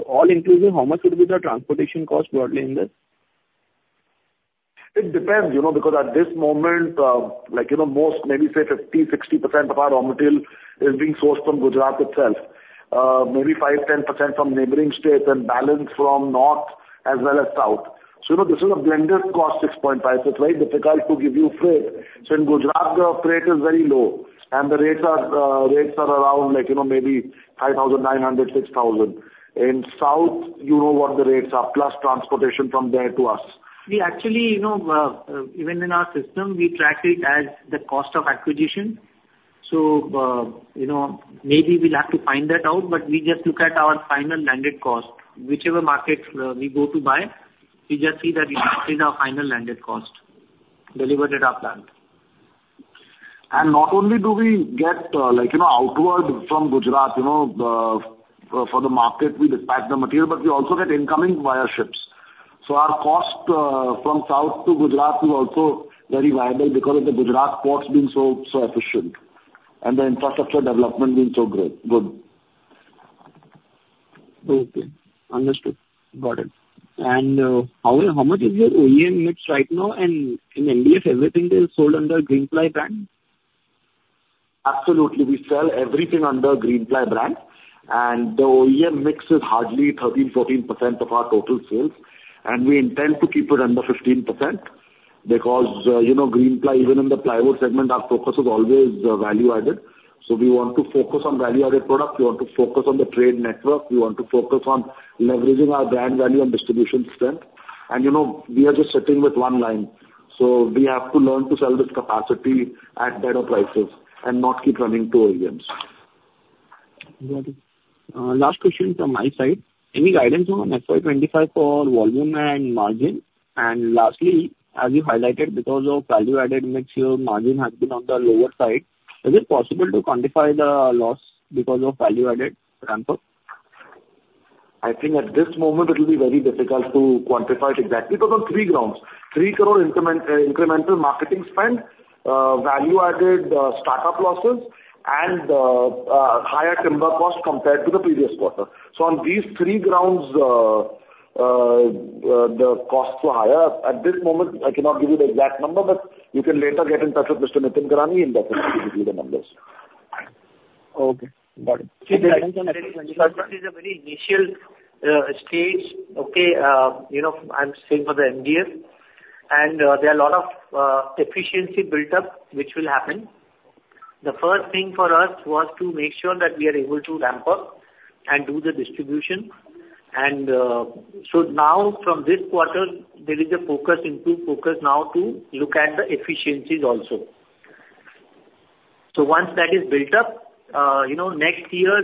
All inclusive, how much would be the transportation cost broadly in this? It depends, you know, because at this moment, like, you know, most, maybe 50-60% of our raw material is being sourced from Gujarat itself. Maybe 5-10% from neighboring states, and balance from north as well as south. So, you know, this is a blended cost, 6.5, so it's very difficult to give you freight. So in Gujarat, the freight is very low, and the rates are, rates are around, like, you know, maybe 5,900-6,000. In south, you know what the rates are, plus transportation from there to us. We actually even in our system, we track it as the cost of acquisition. So, you know, maybe we'll have to find that out, but we just look at our final landed cost. Whichever market, we go to buy, we just see that what is our final landed cost, delivered at our plant. And not only do we get, like, you know, outward from Gujarat, you know, for the market, we dispatch the material, but we also get incoming via ships. So our cost, from south to Gujarat is also very viable because of the Gujarat ports being so, so efficient and the infrastructure development being so great—good. Okay, understood. Got it. And how much is your OEM mix right now? And in MDF, everything is sold under Greenply brand? Absolutely. We sell everything under Greenply brand, and the OEM mix is hardly 13%-14% of our total sales, and we intend to keep it under 15% because, you know, Greenply, even in the plywood segment, our focus is always value-added. So we want to focus on value-added product, we want to focus on the trade network, we want to focus on leveraging our brand value and distribution strength. And you know, we are just sitting with one line, so we have to learn to sell this capacity at better prices and not keep running two OEMs. Got it. Last question from my side. Any guidance on FY 25 for volume and margin? And lastly, as you highlighted, because of value-added mix here, margin has been on the lower side. Is it possible to quantify the loss because of value-added ramp-up? I think at this moment, it will be very difficult to quantify it exactly because on three grounds: 3 crore increment, incremental marketing spend, value-added startup losses, and higher timber cost compared to the previous quarter. So on these three grounds, the costs were higher. At this moment, I cannot give you the exact number, but you can later get in touch with Mr. Nitin Kalani, he'll definitely give you the numbers. Okay, got it. This is a very initial stage, okay? You know, I'm saying for the MDF, and there are a lot of efficiency built up, which will happen. The first thing for us was to make sure that we are able to ramp up and do the distribution. And so now from this quarter, there is a focus, improved focus now to look at the efficiencies also. So once that is built up, you know, next year,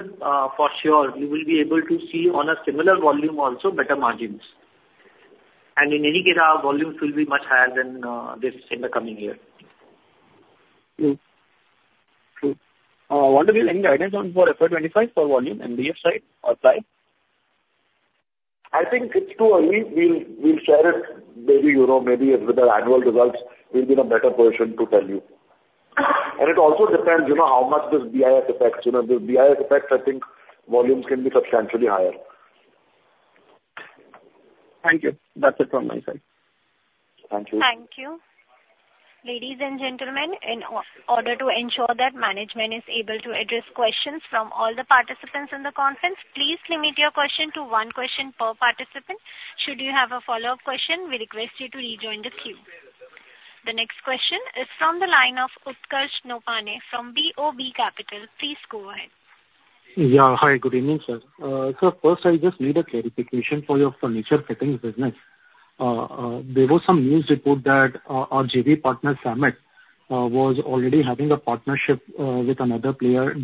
for sure, you will be able to see on a similar volume also better margins. And in any case, our volumes will be much higher than this in the coming year. Hmm. True. Wonder will any guidance on for FY25 for volume, MDF side or ply? I think it's too early. We'll, we'll share it. Maybe, you know, maybe with the annual results, we'll be in a better position to tell you. It also depends, you know, how much this BIS affects. You know, the BIS affects. I think volumes can be substantially higher. Thank you. That's it from my side. Thank you. Thank you. Ladies and gentlemen, in order to ensure that management is able to address questions from all the participants in the conference, please limit your question to one question per participant. Should you have a follow-up question, we request you to rejoin the queue. The next question is from the line of Utkarsh Nopany from BOB Capital. Please go ahead. Yeah. Hi, good evening, sir. First, I just need a clarification for your furniture fittings business. There was some news report that our JV partner, Samet, was already having a partnership with another player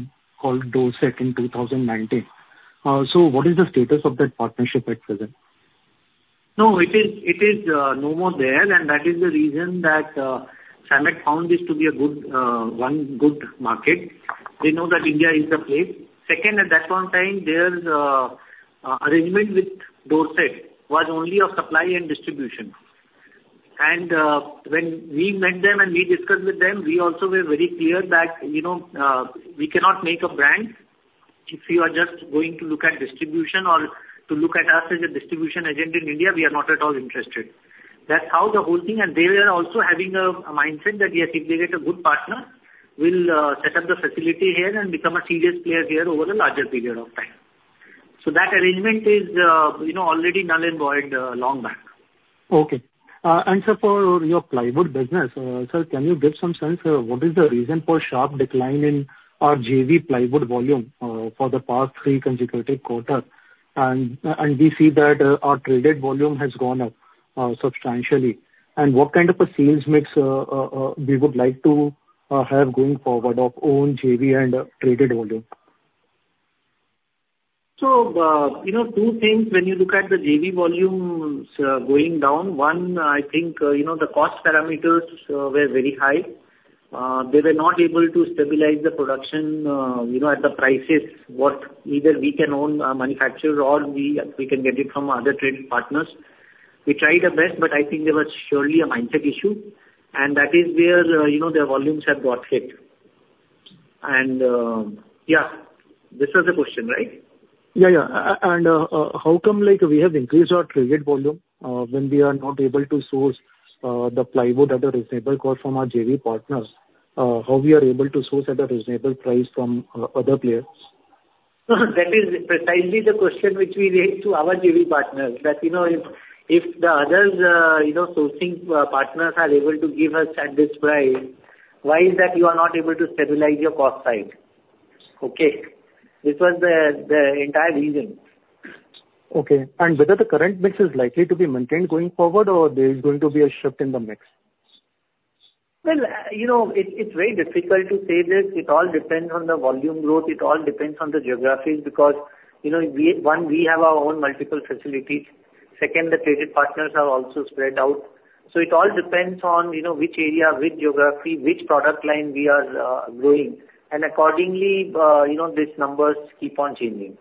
called Dorset in 2019. What is the status of that partnership at present? No, it is no more there, and that is the reason that, Samet found this to be a good, one good market. They know that India is the place. Second, at that one time, their, arrangement with Dorset was only of supply and distribution. And, when we met them and we discussed with them, we also were very clear that, you know, we cannot make a brand. If you are just going to look at distribution or to look at us as a distribution agent in India, we are not at all interested. And they were also having a, a mindset that, yes, if they get a good partner, we'll, set up the facility here and become a serious player here over a larger period of time. That arrangement is already null and void, long back. Okay. Sir, for your plywood business, sir, can you give some sense, what is the reason for sharp decline in our JV plywood volume, for the past three consecutive quarter? We see that our traded volume has gone up substantially. What kind of a sales mix we would like to have going forward of own JV and traded volume? Two things. When you look at the JV volumes going down, one, I think, you know, the cost parameters were very high. They were not able to stabilize the production, you know, at the prices what either we can own manufacture or we can get it from other trade partners. We tried our best, but I think there was surely a mindset issue, and that is where, you know, their volumes have got hit. And, yeah, this was the question, right? Yeah, yeah. And, how come like we have increased our traded volume, when we are not able to source the plywood at a reasonable cost from our JV partners, how we are able to source at a reasonable price from other players? That is precisely the question which we raised to our JV partners, that, you know, if, if the others, you know, sourcing partners are able to give us at this price, why is that you are not able to stabilize your cost side? Okay. This was the, the entire reason. Okay. And whether the current mix is likely to be maintained going forward or there is going to be a shift in the mix? Well, you know, it's very difficult to say this. It all depends on the volume growth. It all depends on the geographies, because, you know, we have our own multiple facilities. One, we have our own multiple facilities. Second, the traded partners are also spread out. So it all depends on, you know, which area, which geography, which product line we are growing. And accordingly, you know, these numbers keep on changing.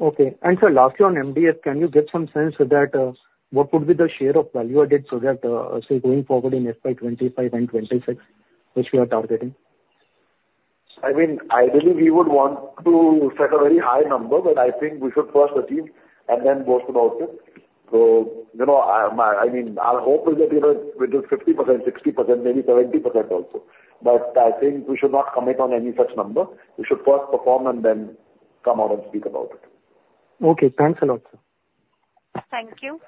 Okay. Sir, lastly, on MDF, can you give some sense that what would be the share of value added so that, say, going forward in FY 25 and 26, which we are targeting? I mean, I believe we would want to set a very high number, but I think we should first achieve and then boast about it. So, you know, I mean, our hope is that it is between 50%, 60%, maybe 70% also. But I think we should not commit on any such number. We should first perform and then come out and speak about it. Okay, thanks a lot, sir. Thank you.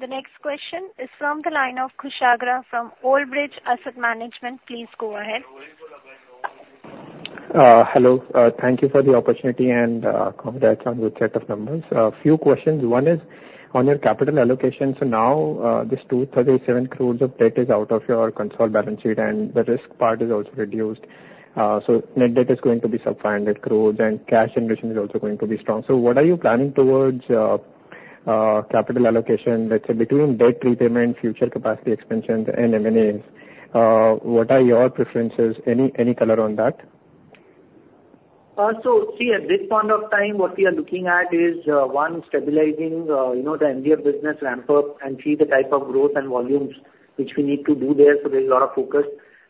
The next question is from the line of Kushagra from Old Bridge Asset Management. Please go ahead. Hello, thank you for the opportunity, and congrats on good set of numbers. A few questions. One is on your capital allocation. So now, this 237 crore of debt is out of your consolidated balance sheet, and the risk part is also reduced. So net debt is going to be sub 500 crore, and cash generation is also going to be strong. So what are you planning towards capital allocation, let's say, between debt repayment, future capacity expansions and M&As? What are your preferences? Any color on that? So see, at this point of time, what we are looking at is, one, stabilizing, you know, the MDF business ramp up and see the type of growth and volumes which we need to do there, so there is a lot of focus.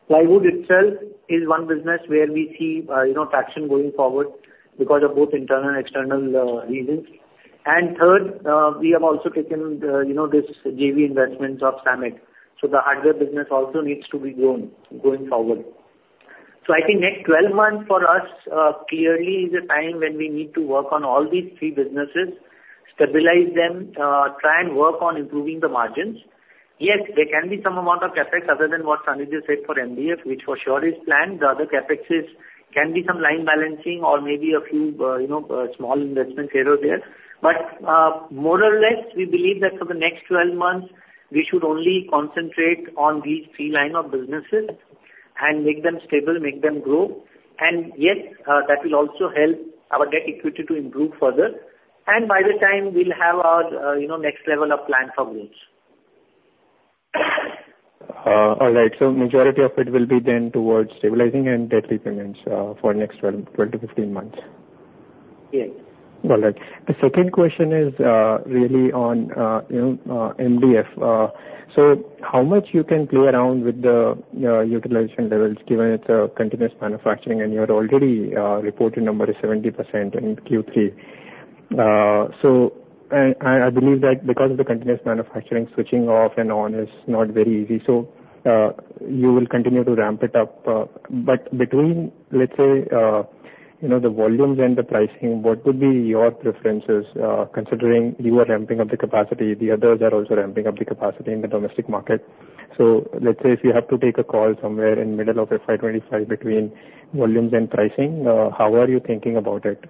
Plywood itself is one business where we see, you know, traction going forward because of both internal and external, reasons. And third, we have also taken, you know, this JV investments of SAMET. So the hardware business also needs to be grown going forward. So I think next 12 months for us, clearly is a time when we need to work on all these three businesses, stabilize them, try and work on improving the margins. Yes, there can be some amount of CapEx other than what Sanjit said for MDF, which for sure is planned. The other CapExes can be some line balancing or maybe a few, you know, small investments here or there. But, more or less, we believe that for the next 12 months, we should only concentrate on these 3 line of businesses and make them stable, make them grow. And yes, that will also help our debt equity to improve further, and by the time we'll have our, you know, next level of plan for growth. All right. So majority of it will be then towards stabilizing and debt repayments, for next 12, 12-15 months. Yes. All right. The second question is, really on, you know, MDF. So how much you can play around with the, utilization levels, given it's a continuous manufacturing and your already, reported number is 70% in Q3. So, and, and I believe that because of the continuous manufacturing, switching off and on is not very easy, so, you will continue to ramp it up. But between, let's say, you know, the volumes and the pricing, what would be your preferences, considering you are ramping up the capacity, the others are also ramping up the capacity in the domestic market. So let's say if you have to take a call somewhere in middle of FY 2025 between volumes and pricing, how are you thinking about it,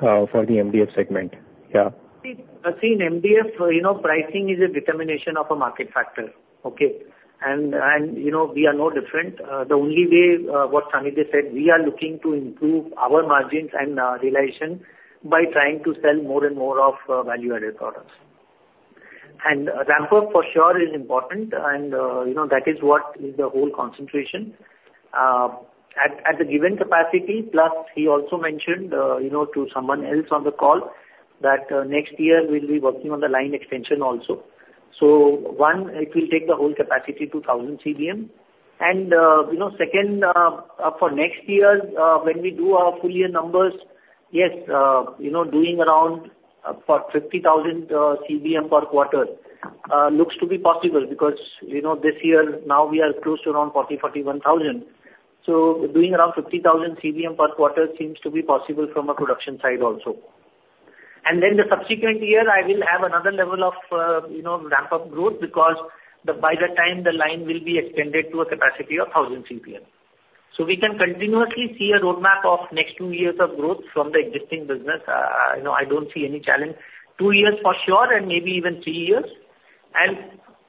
for the MDF segment? Yeah. See, in MDF, you know, pricing is a determination of a market factor. Okay? And, you know, we are no different. The only way, what Sanidhya said, we are looking to improve our margins and realization by trying to sell more and more of value-added products. And ramp up for sure is important, and, you know, that is what is the whole concentration. At the given capacity, plus, he also mentioned, you know, to someone else on the call, that next year we'll be working on the line extension also. So one, it will take the whole capacity to 1,000 CBM. You know, second, for next year, when we do our full year numbers, yes, you know, doing around 50,000 CBM per quarter looks to be possible because, you know, this year now we are close to around 40-41,000. So doing around 50,000 CBM per quarter seems to be possible from a production side also. And then the subsequent year, I will have another level of, you know, ramp-up growth because by the time the line will be extended to a capacity of 1,000 CBM. So we can continuously see a roadmap of next two years of growth from the existing business. You know, I don't see any challenge. Two years for sure, and maybe even three years. As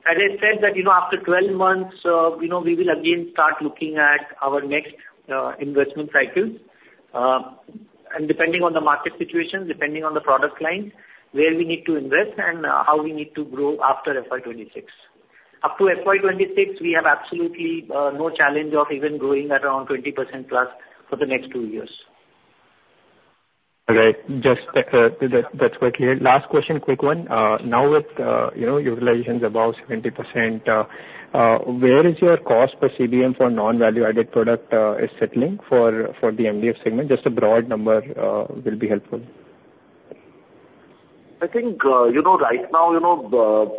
I said that, you know, after 12 months, you know, we will again start looking at our next, investment cycles. And depending on the market situation, depending on the product lines, where we need to invest and, how we need to grow after FY 2026. Up to FY 2026, we have absolutely no challenge of even growing at around 20%+ for the next two years. Okay. Just, that's quite clear. Last question, quick one. Now with, you know, utilizations above 70%, where is your cost per CBM for non-value-added product is settling for, for the MDF segment? Just a broad number will be helpful. I think, you know, right now, you know,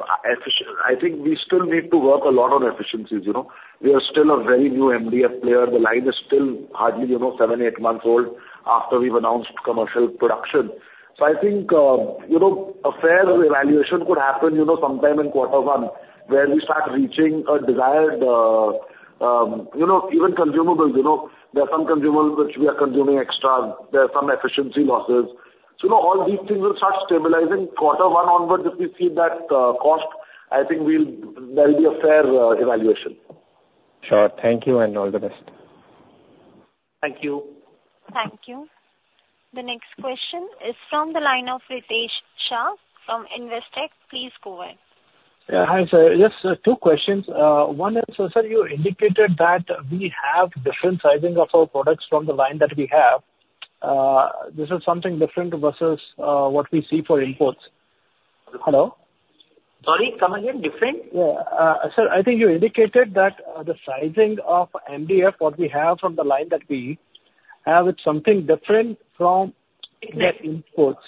I think we still need to work a lot on efficiencies, you know. We are still a very new MDF player. The line is still hardly, you know, 7, 8 months old after we've announced commercial production. So I think, you know, a fair evaluation could happen, you know, sometime in quarter one, where we start reaching a desired, you know, even consumables, you know, there are some consumables which we are consuming extra, there are some efficiency losses. So, you know, all these things will start stabilizing quarter one onwards, if we see that cost, I think we'll, there'll be a fair evaluation. Sure. Thank you, and all the best. Thank you. Thank you. The next question is from the line of Ritesh Shah from Investec. Please go ahead. Yeah, hi, sir. Just two questions. One is, so sir, you indicated that we have different sizing of our products from the line that we have. This is something different versus what we see for imports. Hello? Sorry, come again, different? Yeah. Sir, I think you indicated that the sizing of MDF, what we have from the line that we have, it's something different from imports.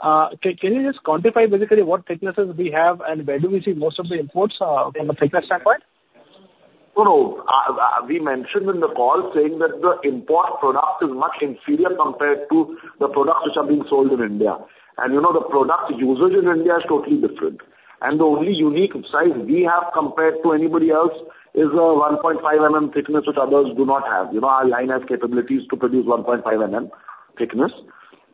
Can you just quantify basically what thicknesses we have, and where do we see most of the imports from a thickness standpoint? No. We mentioned in the call saying that the import product is much inferior compared to the products which are being sold in India. You know, the product usage in India is totally different. And the only unique size we have compared to anybody else is a 1.5 mm thickness, which others do not have. You know, our line has capabilities to produce 1.5 mm thickness.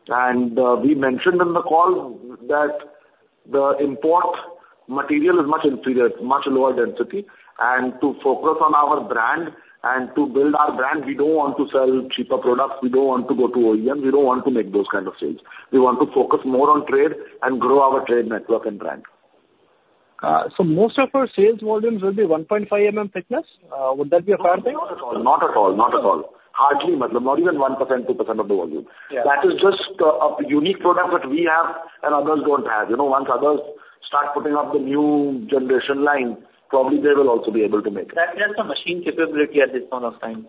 And we mentioned in the call that the import material is much inferior, much lower density. And to focus on our brand and to build our brand, we don't want to sell cheaper products, we don't want to go to OEM, we don't want to make those kind of sales. We want to focus more on trade and grow our trade network and brand. So, most of our sales volumes will be 1.5 mm thickness? Would that be a fair thing? Not at all. Not at all. Not at all. Hardly, madam, not even 1%, 2% of the volume. That is just a unique product that we have and others don't have. You know, once others start putting up the new generation line, probably they will also be able to make it. That's just a machine capability at this point of time.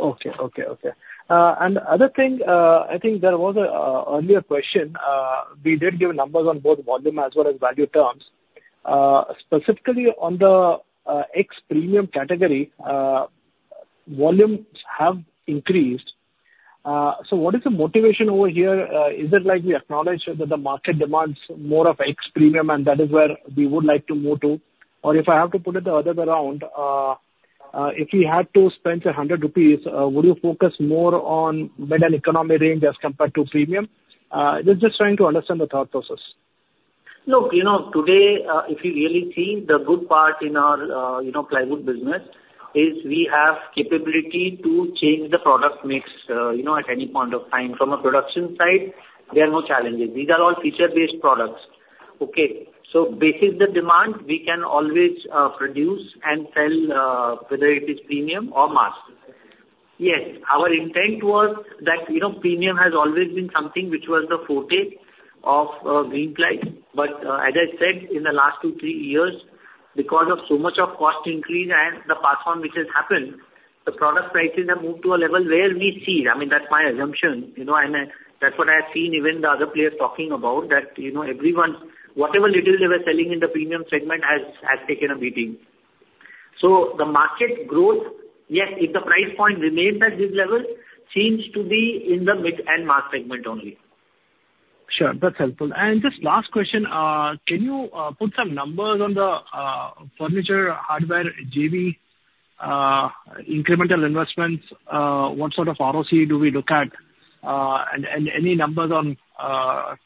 Okay, okay, okay. And the other thing, I think there was an earlier question, we did give numbers on both volume as well as value terms. Specifically on the ex-premium category, volumes have increased. So what is the motivation over here? Is it like we acknowledge that the market demands more of ex-premium, and that is where we would like to move to? Or if I have to put it the other way around, if we had to spend 100 rupees, would you focus more on middle economy range as compared to premium? Just trying to understand the thought process. Look, you know, today, if you really see the good part in our, you know, plywood business, is we have capability to change the product mix, you know, at any point of time. From a production side, there are no challenges. These are all feature-based products. Okay? So based the demand, we can always, produce and sell, whether it is premium or mass. Yes, our intent was that, you know, premium has always been something which was the forte of, Greenply. As I said, in the last two, three years, because of so much of cost increase and the pass on which has happened, the product prices have moved to a level where we see, I mean, that's my assumption, you know, and that's what I have seen even the other players talking about, that, you know, everyone, whatever little they were selling in the premium segment has taken a beating. So the market growth, yes, if the price point remains at this level, seems to be in the mid and mass segment only. Sure, that's helpful. And just last question, can you put some numbers on the furniture, hardware, JV, incremental investments? What sort of ROC do we look at? And any numbers on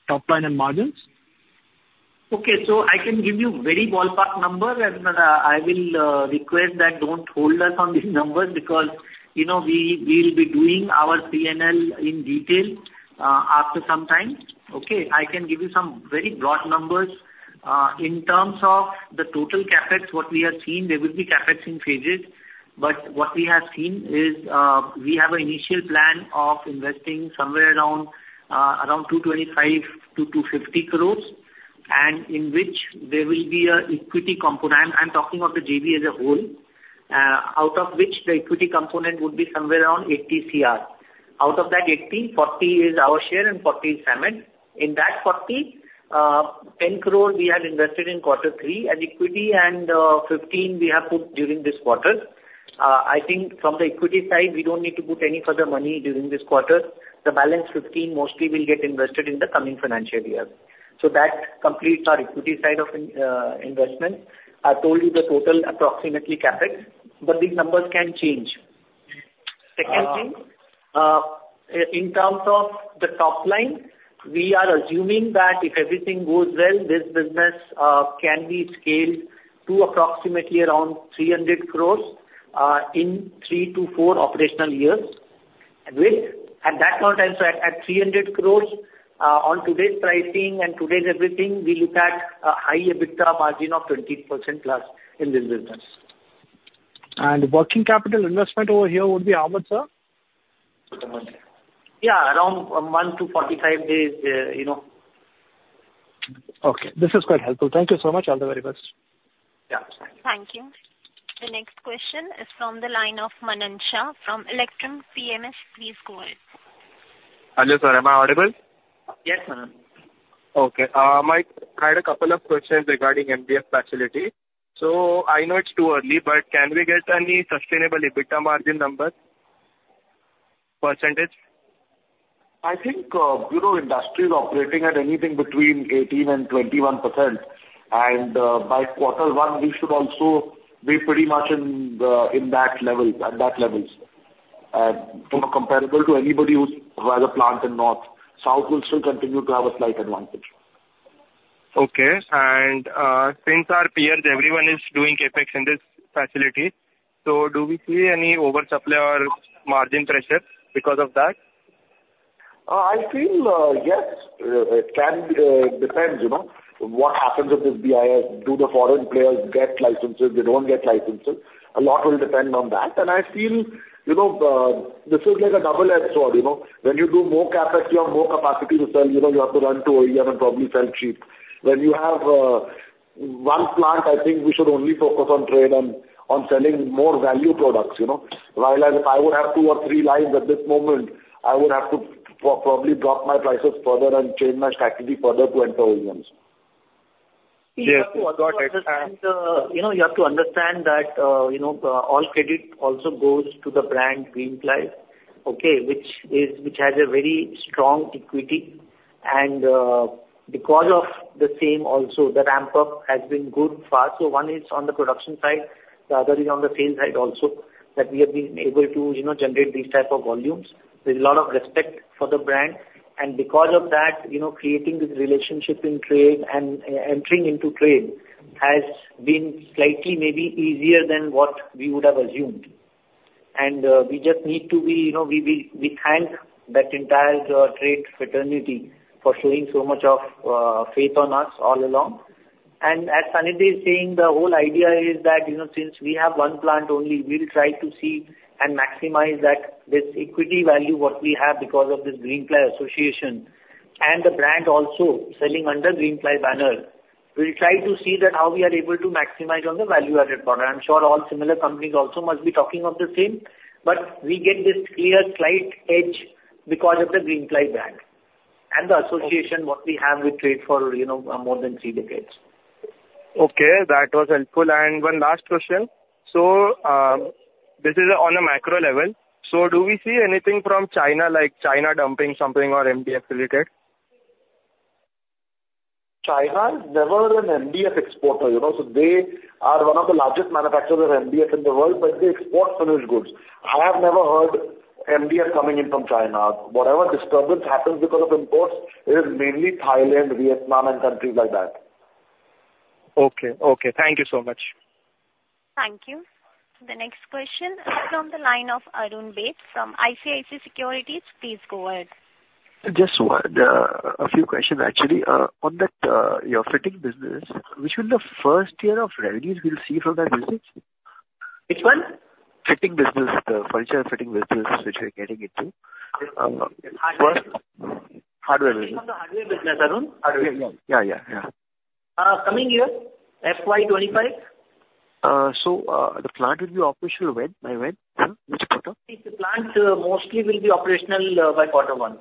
top line and margins? Okay. So I can give you very ballpark number, and I will request that don't hold us on these numbers because, you know, we, we'll be doing our P&L in detail after some time. Okay? I can give you some very broad numbers. In terms of the total CapEx, what we have seen, there will be CapEx in phases. But what we have seen is, we have an initial plan of investing somewhere around, around 225-250 crores, and in which there will be a equity component. I'm, I'm talking of the JV as a whole, out of which the equity component would be somewhere around 80 cr. Out of that eighty, 40 is our share and 40 is SAMET. In that 40-10 crore we had invested in quarter three, and equity and 15 we have put during this quarter. I think from the equity side, we don't need to put any further money during this quarter. The balance 15 mostly will get invested in the coming financial year. So that completes our equity side of investment. I told you the total approximately CapEx, but these numbers can change. Second thing, in terms of the top line, we are assuming that if everything goes well, this business can be scaled to approximately around 300 crores in 3-4 operational years. approximateAt that point in time, so at 300 crores, on today's pricing and today's everything, we look at a high EBITDA margin of 20%+ in this business. Working capital investment over here would be how much, sir? Yeah, around a month to 45 days, you know. Okay, this is quite helpful. Thank you so much. All the very best. Thank you. The next question is from the line of Manan Shah, from Electrum PMS. Please go ahead. Okay. I had a couple of questions regarding MDF facility. So I know it's too early, but can we get any sustainable EBITDA margin numbers, percentage? I think, you know, industry is operating at anything between 18%-21%, and, by quarter one, we should also be pretty much in the, in that level, at that levels. You know, comparable to anybody who's rather plant in north. South will still continue to have a slight advantage. Okay. Since our peers, everyone is doing CapEx in this facility, so do we see any oversupply or margin pressure because of that? I feel yes, it can depend, you know, what happens with this BIS. Do the foreign players get licenses? They don't get licenses. A lot will depend on that. I feel, you know, this is like a double-edged sword, you know. When you do more CapEx, you have more capacity to sell, you know, you have to run to OEM and probably sell cheap. When you have one plant, I think we should only focus on trade and on selling more value products, you know? While as if I would have two or three lines at this moment, I would have to probably drop my prices further and change my strategy further to enter OEMs. You know, you have to understand that, you know, all credit also goes to the brand Greenply. Okay, which is, which has a very strong equity, and, because of the same also, the ramp up has been good, fast. So one is on the production side, the other is on the sales side also, that we have been able to, you know, generate these type of volumes. There's a lot of respect for the brand, and because of that, you know, creating this relationship in trade and entering into trade has been slightly maybe easier than what we would have assumed. And, we just need to be, you know, we thank that entire, trade fraternity for showing so much of, faith on us all along. As Sanidhya is saying, the whole idea is that, you know, since we have one plant only, we'll try to see and maximize that, this equity value, what we have because of this Greenply association. The brand also selling under Greenply banner. We'll try to see that how we are able to maximize on the value-added product. I'm sure all similar companies also must be talking of the same, but we get this clear slight edge because of the Greenply brand and the association what we have with trade for, you know, more than three decades. Okay, that was helpful. One last question: so, this is on a macro level. Do we see anything from China, like China dumping something or MDF related? China is never an MDF exporter, you know, so they are one of the largest manufacturers of MDF in the world, but they export finished goods. I have never heard MDF coming in from China. Whatever disturbance happens because of imports, it is mainly Thailand, Vietnam and countries like that. Okay. Okay, thank you so much. Thank you. The next question is from the line of Arun Baid from ICICI Securities. Please go ahead. Just one, a few questions, actually. On that, your fitting business, which will the first year of revenues we'll see from that business? Which one? Fitting business, the furniture fitting business, which you're getting into. From the hardware business, Arun. Coming year, FY 2025. So, the plant will be operational when, by when? Which quarter? The plant mostly will be operational by quarter one.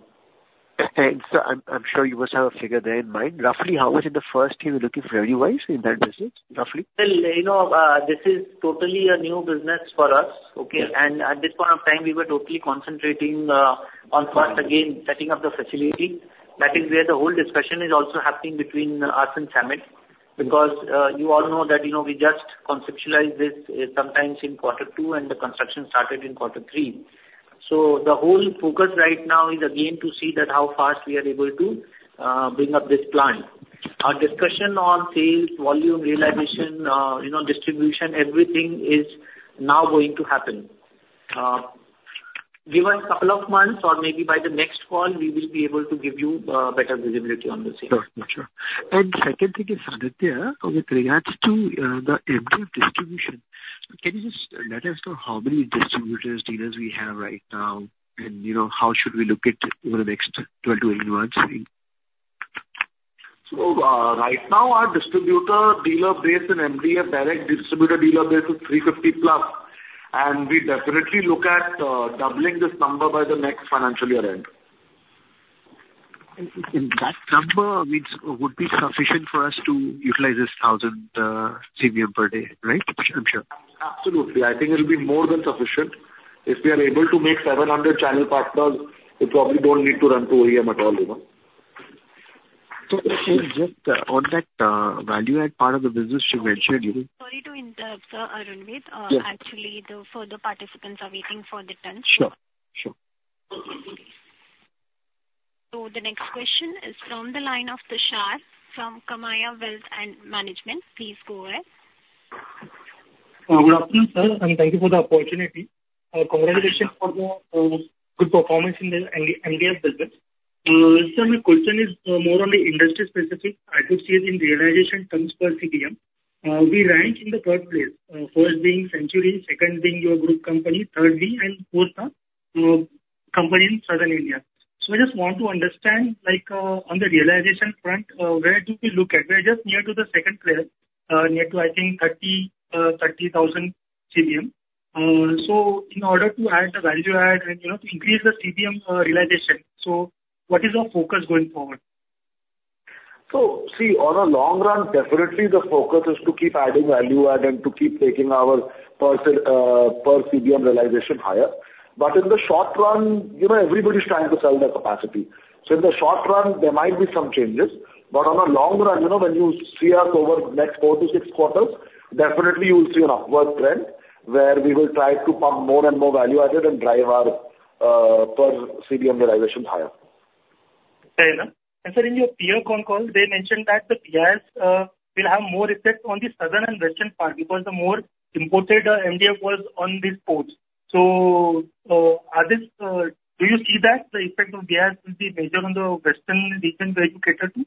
Thanks. I'm sure you must have a figure there in mind. Roughly, how much in the first year are you looking revenue-wise in that business, roughly? Well, you know, this is totally a new business for us, okay? At this point of time, we were totally concentrating on first, again, setting up the facility. That is where the whole discussion is also happening between us and SAMET. Because, you all know that, you know, we just conceptualized this, sometime in quarter two, and the construction started in quarter three. So the whole focus right now is again to see that how fast we are able to bring up this plant. Our discussion on sales, volume, realization, you know, distribution, everything is now going to happen. Give us a couple of months or maybe by the next call, we will be able to give you better visibility on the same. Sure. And second thing is, Aditya, with regards to the MDF distribution, can you just let us know how many distributors, dealers we have right now, and, you know, how should we look at over the next 12-18 months? Right now, our distributor dealer base in MDF, direct distributor dealer base is 350+, and we definitely look at doubling this number by the next financial year end. That number means, would be sufficient for us to utilize this 1,000 CBM per day, right? I'm sure. Absolutely. I think it'll be more than sufficient. If we are able to make 700 channel partners, we probably don't need to run through OEM at all, you know. The next question is from the line of Tushar from KamayaKya Wealth Management. Please go ahead. Good afternoon, sir, and thank you for the opportunity. Congratulations for the good performance in the MDF business. So my question is more on the industry specific. I could see it in realization tons per CBM. We ranked in the third place, first being Century, second being your group company, thirdly, and fourth company in Southern India. So I just want to understand, like, on the realization front, where do we look at? We are just near to the second player, near to, I think, 30,000 CBM. So in order to add the value add and, you know, to increase the CBM realization, so what is your focus going forward? So see, on a long run, definitely the focus is to keep adding value add and to keep taking our per CBM realization higher. But in the short run, you know, everybody's trying to sell their capacity. So in the short run, there might be some changes, but on a long run, you know, when you see us over the next 4-6 quarters, definitely you will see an upward trend, where we will try to pump more and more value added and drive our per CBM realization higher. Fair enough. And sir, in your peer con call, they mentioned that the BIS will have more effect on the southern and western part because the more imported MDF was on these ports. So, do you see that the effect of BIS will be major on the western regions where you cater to?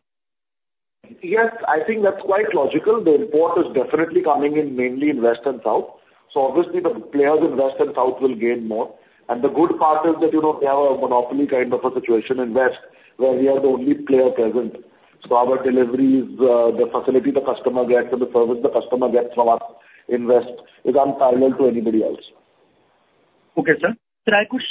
Yes, I think that's quite logical. The import is definitely coming in mainly in west and south. So obviously, the players in west and south will gain more. And the good part is that, you know, we have a monopoly kind of a situation in west, where we are the only player present. So our deliveries, the facility the customer gets, and the service the customer gets from us in west is unparalleled to anybody else. Okay, sir. Sir, I could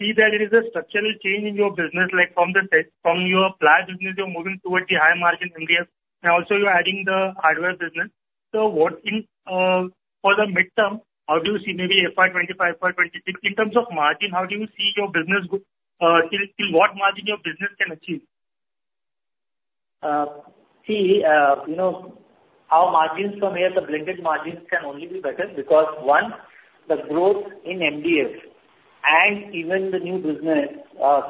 see that it is a structural change in your business, like from the set, from your ply business, you're moving towards the higher margin MDF, and also you're adding the hardware business. So what, in for the midterm, how do you see maybe FY 25, FY 26, in terms of margin, how do you see your business go till what margin your business can achieve? See, you know, our margins from here, the blended margins can only be better because one, the growth in MDF and even the new business,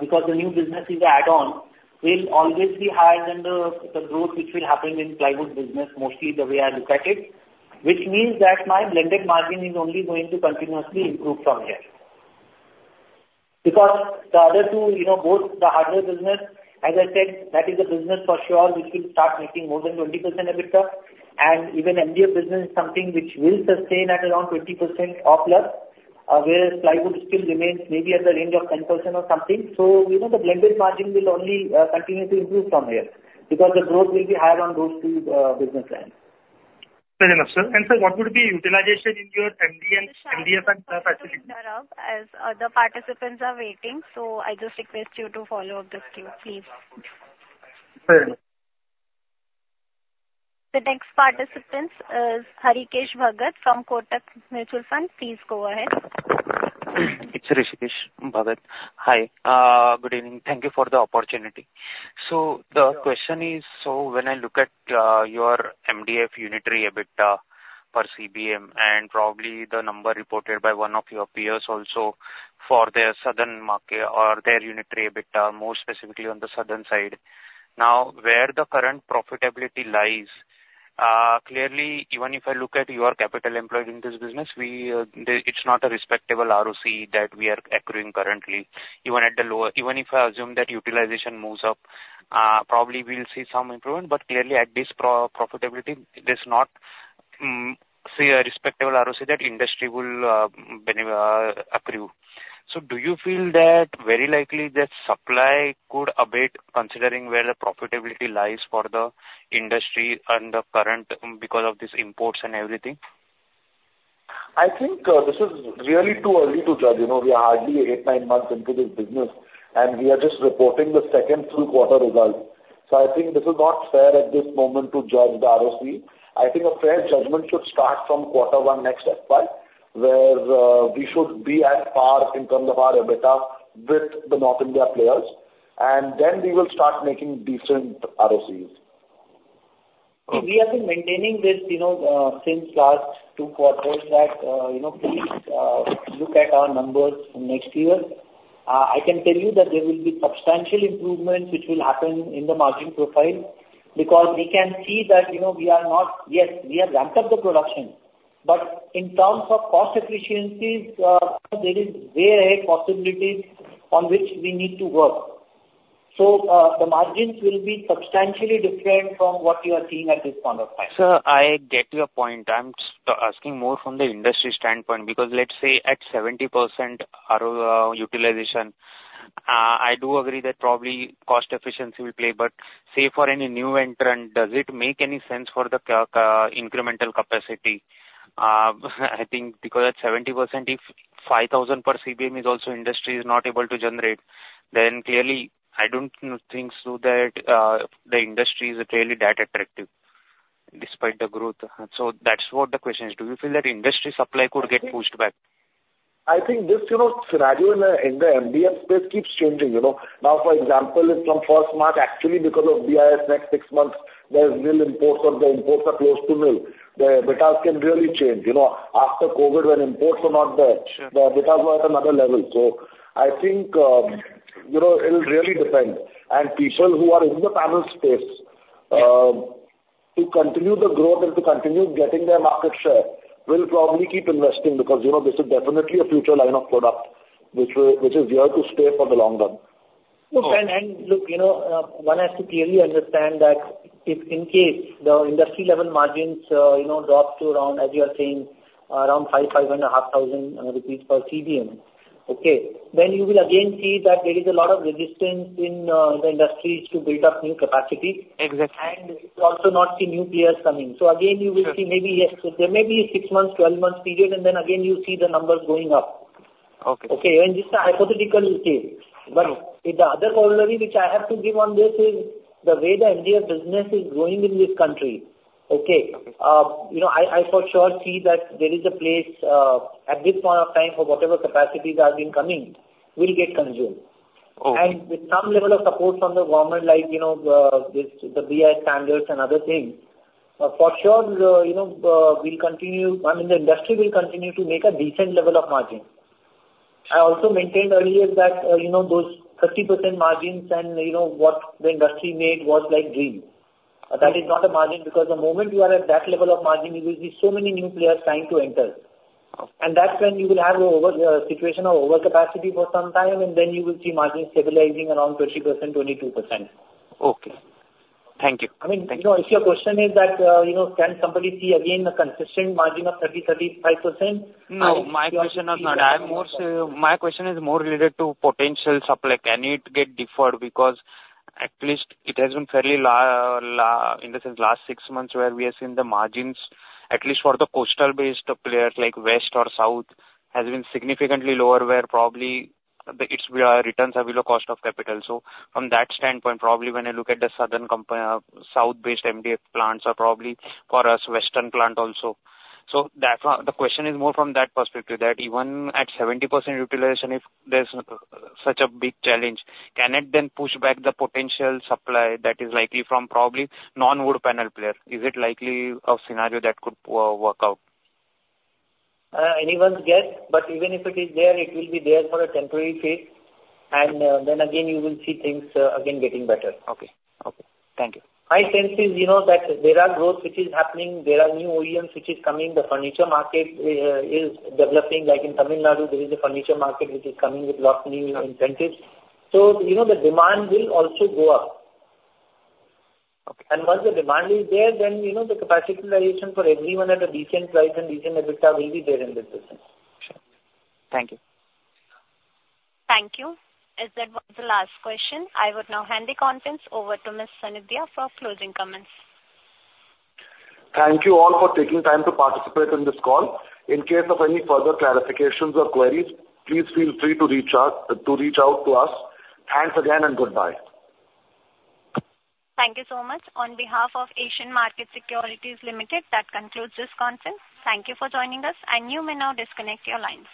because the new business is add-on, will always be higher than the, the growth which will happen in plywood business, mostly the way I look at it. Which means that my blended margin is only going to continuously improve from here. Because the other two, you know, both the hardware business, as I said, that is a business for sure which will start making more than 20% EBITDA, and even MDF business is something which will sustain at around 20%+, whereas plywood still remains maybe at the range of 10% or something. So, you know, the blended margin will only continue to improve from here, because the growth will be higher on those two business lines. The next participant is Hrishikesh Bhagat from Kotak Mutual Fund. Please go ahead. It's Hrishikesh Bhagat. Hi, good evening. Thank you for the opportunity. So the question is: So when I look at your MDF unitary EBITDA per CBM, and probably the number reported by one of your peers also for their southern market or their unitary EBITDA, more specifically on the southern side. Now, where the current profitability lies, clearly, even if I look at your capital employed in this business, we, it's not a respectable ROC that we are accruing currently, even at the lower. Even if I assume that utilization moves up, probably we'll see some improvement, but clearly at this profitability, it is not, say, a respectable ROC that industry will bene, accrue. Do you feel that very likely that supply could abate considering where the profitability lies for the industry and the current, because of these imports and everything? I think, this is really too early to judge. You know, we are hardly 8, 9 months into this business, and we are just reporting the second full quarter results. I think this is not fair at this moment to judge the ROC. I think a fair judgment should start from quarter one next FY, where, we should be at par in terms of our EBITDA with the North India players, and then we will start making decent ROCs. We have been maintaining this, you know, since last two quarters that, you know, please, look at our numbers next year. I can tell you that there will be substantial improvements which will happen in the margin profile, because we can see that. Yes, we have ramped up the production, but in terms of cost efficiencies, there is varied possibilities on which we need to work. So, the margins will be substantially different from what you are seeing at this point of time. Sir, I get your point. I'm asking more from the industry standpoint, because let's say at 70% RO utilization, I do agree that probably cost efficiency will play, but say for any new entrant, does it make any sense for the incremental capacity? I think because at 70% if 5,000 per CBM is also industry is not able to generate, then clearly I don't think so that the industry is really that attractive despite the growth. So that's what the question is: Do you feel that industry supply could get pushed back? I think this, you know, scenario in the, in the MDF space keeps changing, you know. Now, for example, if from first March, actually, because of BIS, next six months, there's nil imports or the imports are close to nil, the EBITDA can really change. You know, after COVID, when imports were not there. The EBITDAs were at another level. So I think, you know, it'll really depend. People who are in the panel space to continue the growth and to continue getting their market share will probably keep investing because, you know, this is definitely a future line of product, which is here to stay for the long run. Look, look, you know, one has to clearly understand that if in case the industry level margins, you know, drop to around, as you are saying, around 5,000-5,500 rupees per CBM, okay? Then you will again see that there is a lot of resistance in the industries to build up new capacity. Also, not see new players coming. So again, you will see maybe, yes, there may be 6 months, 12 months period, and then again you see the numbers going up. Okay, and this is a hypothetical case. But the other corollary which I have to give on this is the way the MDF business is growing in this country, okay? You know, I for sure see that there is a place at this point of time for whatever capacities are incoming will get consumed. With some level of support from the government, like, you know, this, the BIS standards and other things, for sure, you know, we'll continue—I mean, the industry will continue to make a decent level of margin. I also maintained earlier that, you know, those 30% margins and, you know, what the industry made was like dream. That is not a margin, because the moment you are at that level of margin, you will see so many new players trying to enter. And that's when you will have overcapacity situation for some time, and then you will see margins stabilizing around 20%-22%. Okay. Thank you. I mean, you know, if your question is that, you know, can somebody see again a consistent margin of 30%-35%? No, my question was not. I am more, my question is more related to potential supply. Can it get deferred? Because at least it has been fairly lackluster in the sense, last six months, where we have seen the margins, at least for the coastal-based players like West or South, has been significantly lower, where probably the returns are below cost of capital. So from that standpoint, probably when I look at the southern company, south-based MDF plants or probably for us, western plant also. The question is more from that perspective, that even at 70% utilization, if there's such a big challenge, can it then push back the potential supply that is likely from probably non-wood panel player? Is it likely a scenario that could work out? Anyone's guess, but even if it is there, it will be there for a temporary phase, and, then again, you will see things, again getting better. My sense is, you know, that there is growth happening, there are new OEMs which is coming. The furniture market is developing. Like in Tamil Nadu, there is a furniture market which is coming with lot new incentives. So, you know, the demand will also go up. Once the demand is there, then, you know, the capitalization for everyone at a decent price and decent EBITDA will be there in the system. Sure. Thank you. Thank you. As that was the last question, I would now hand the conference over to Mr. Sanidhya for closing comments. Thank you all for taking time to participate in this call. In case of any further clarifications or queries, please feel free to reach out, to reach out to us. Thanks again and goodbye. Thank you so much. On behalf of Asian Market Securities Private Limited, that concludes this conference. Thank you for joining us, and you may now disconnect your lines.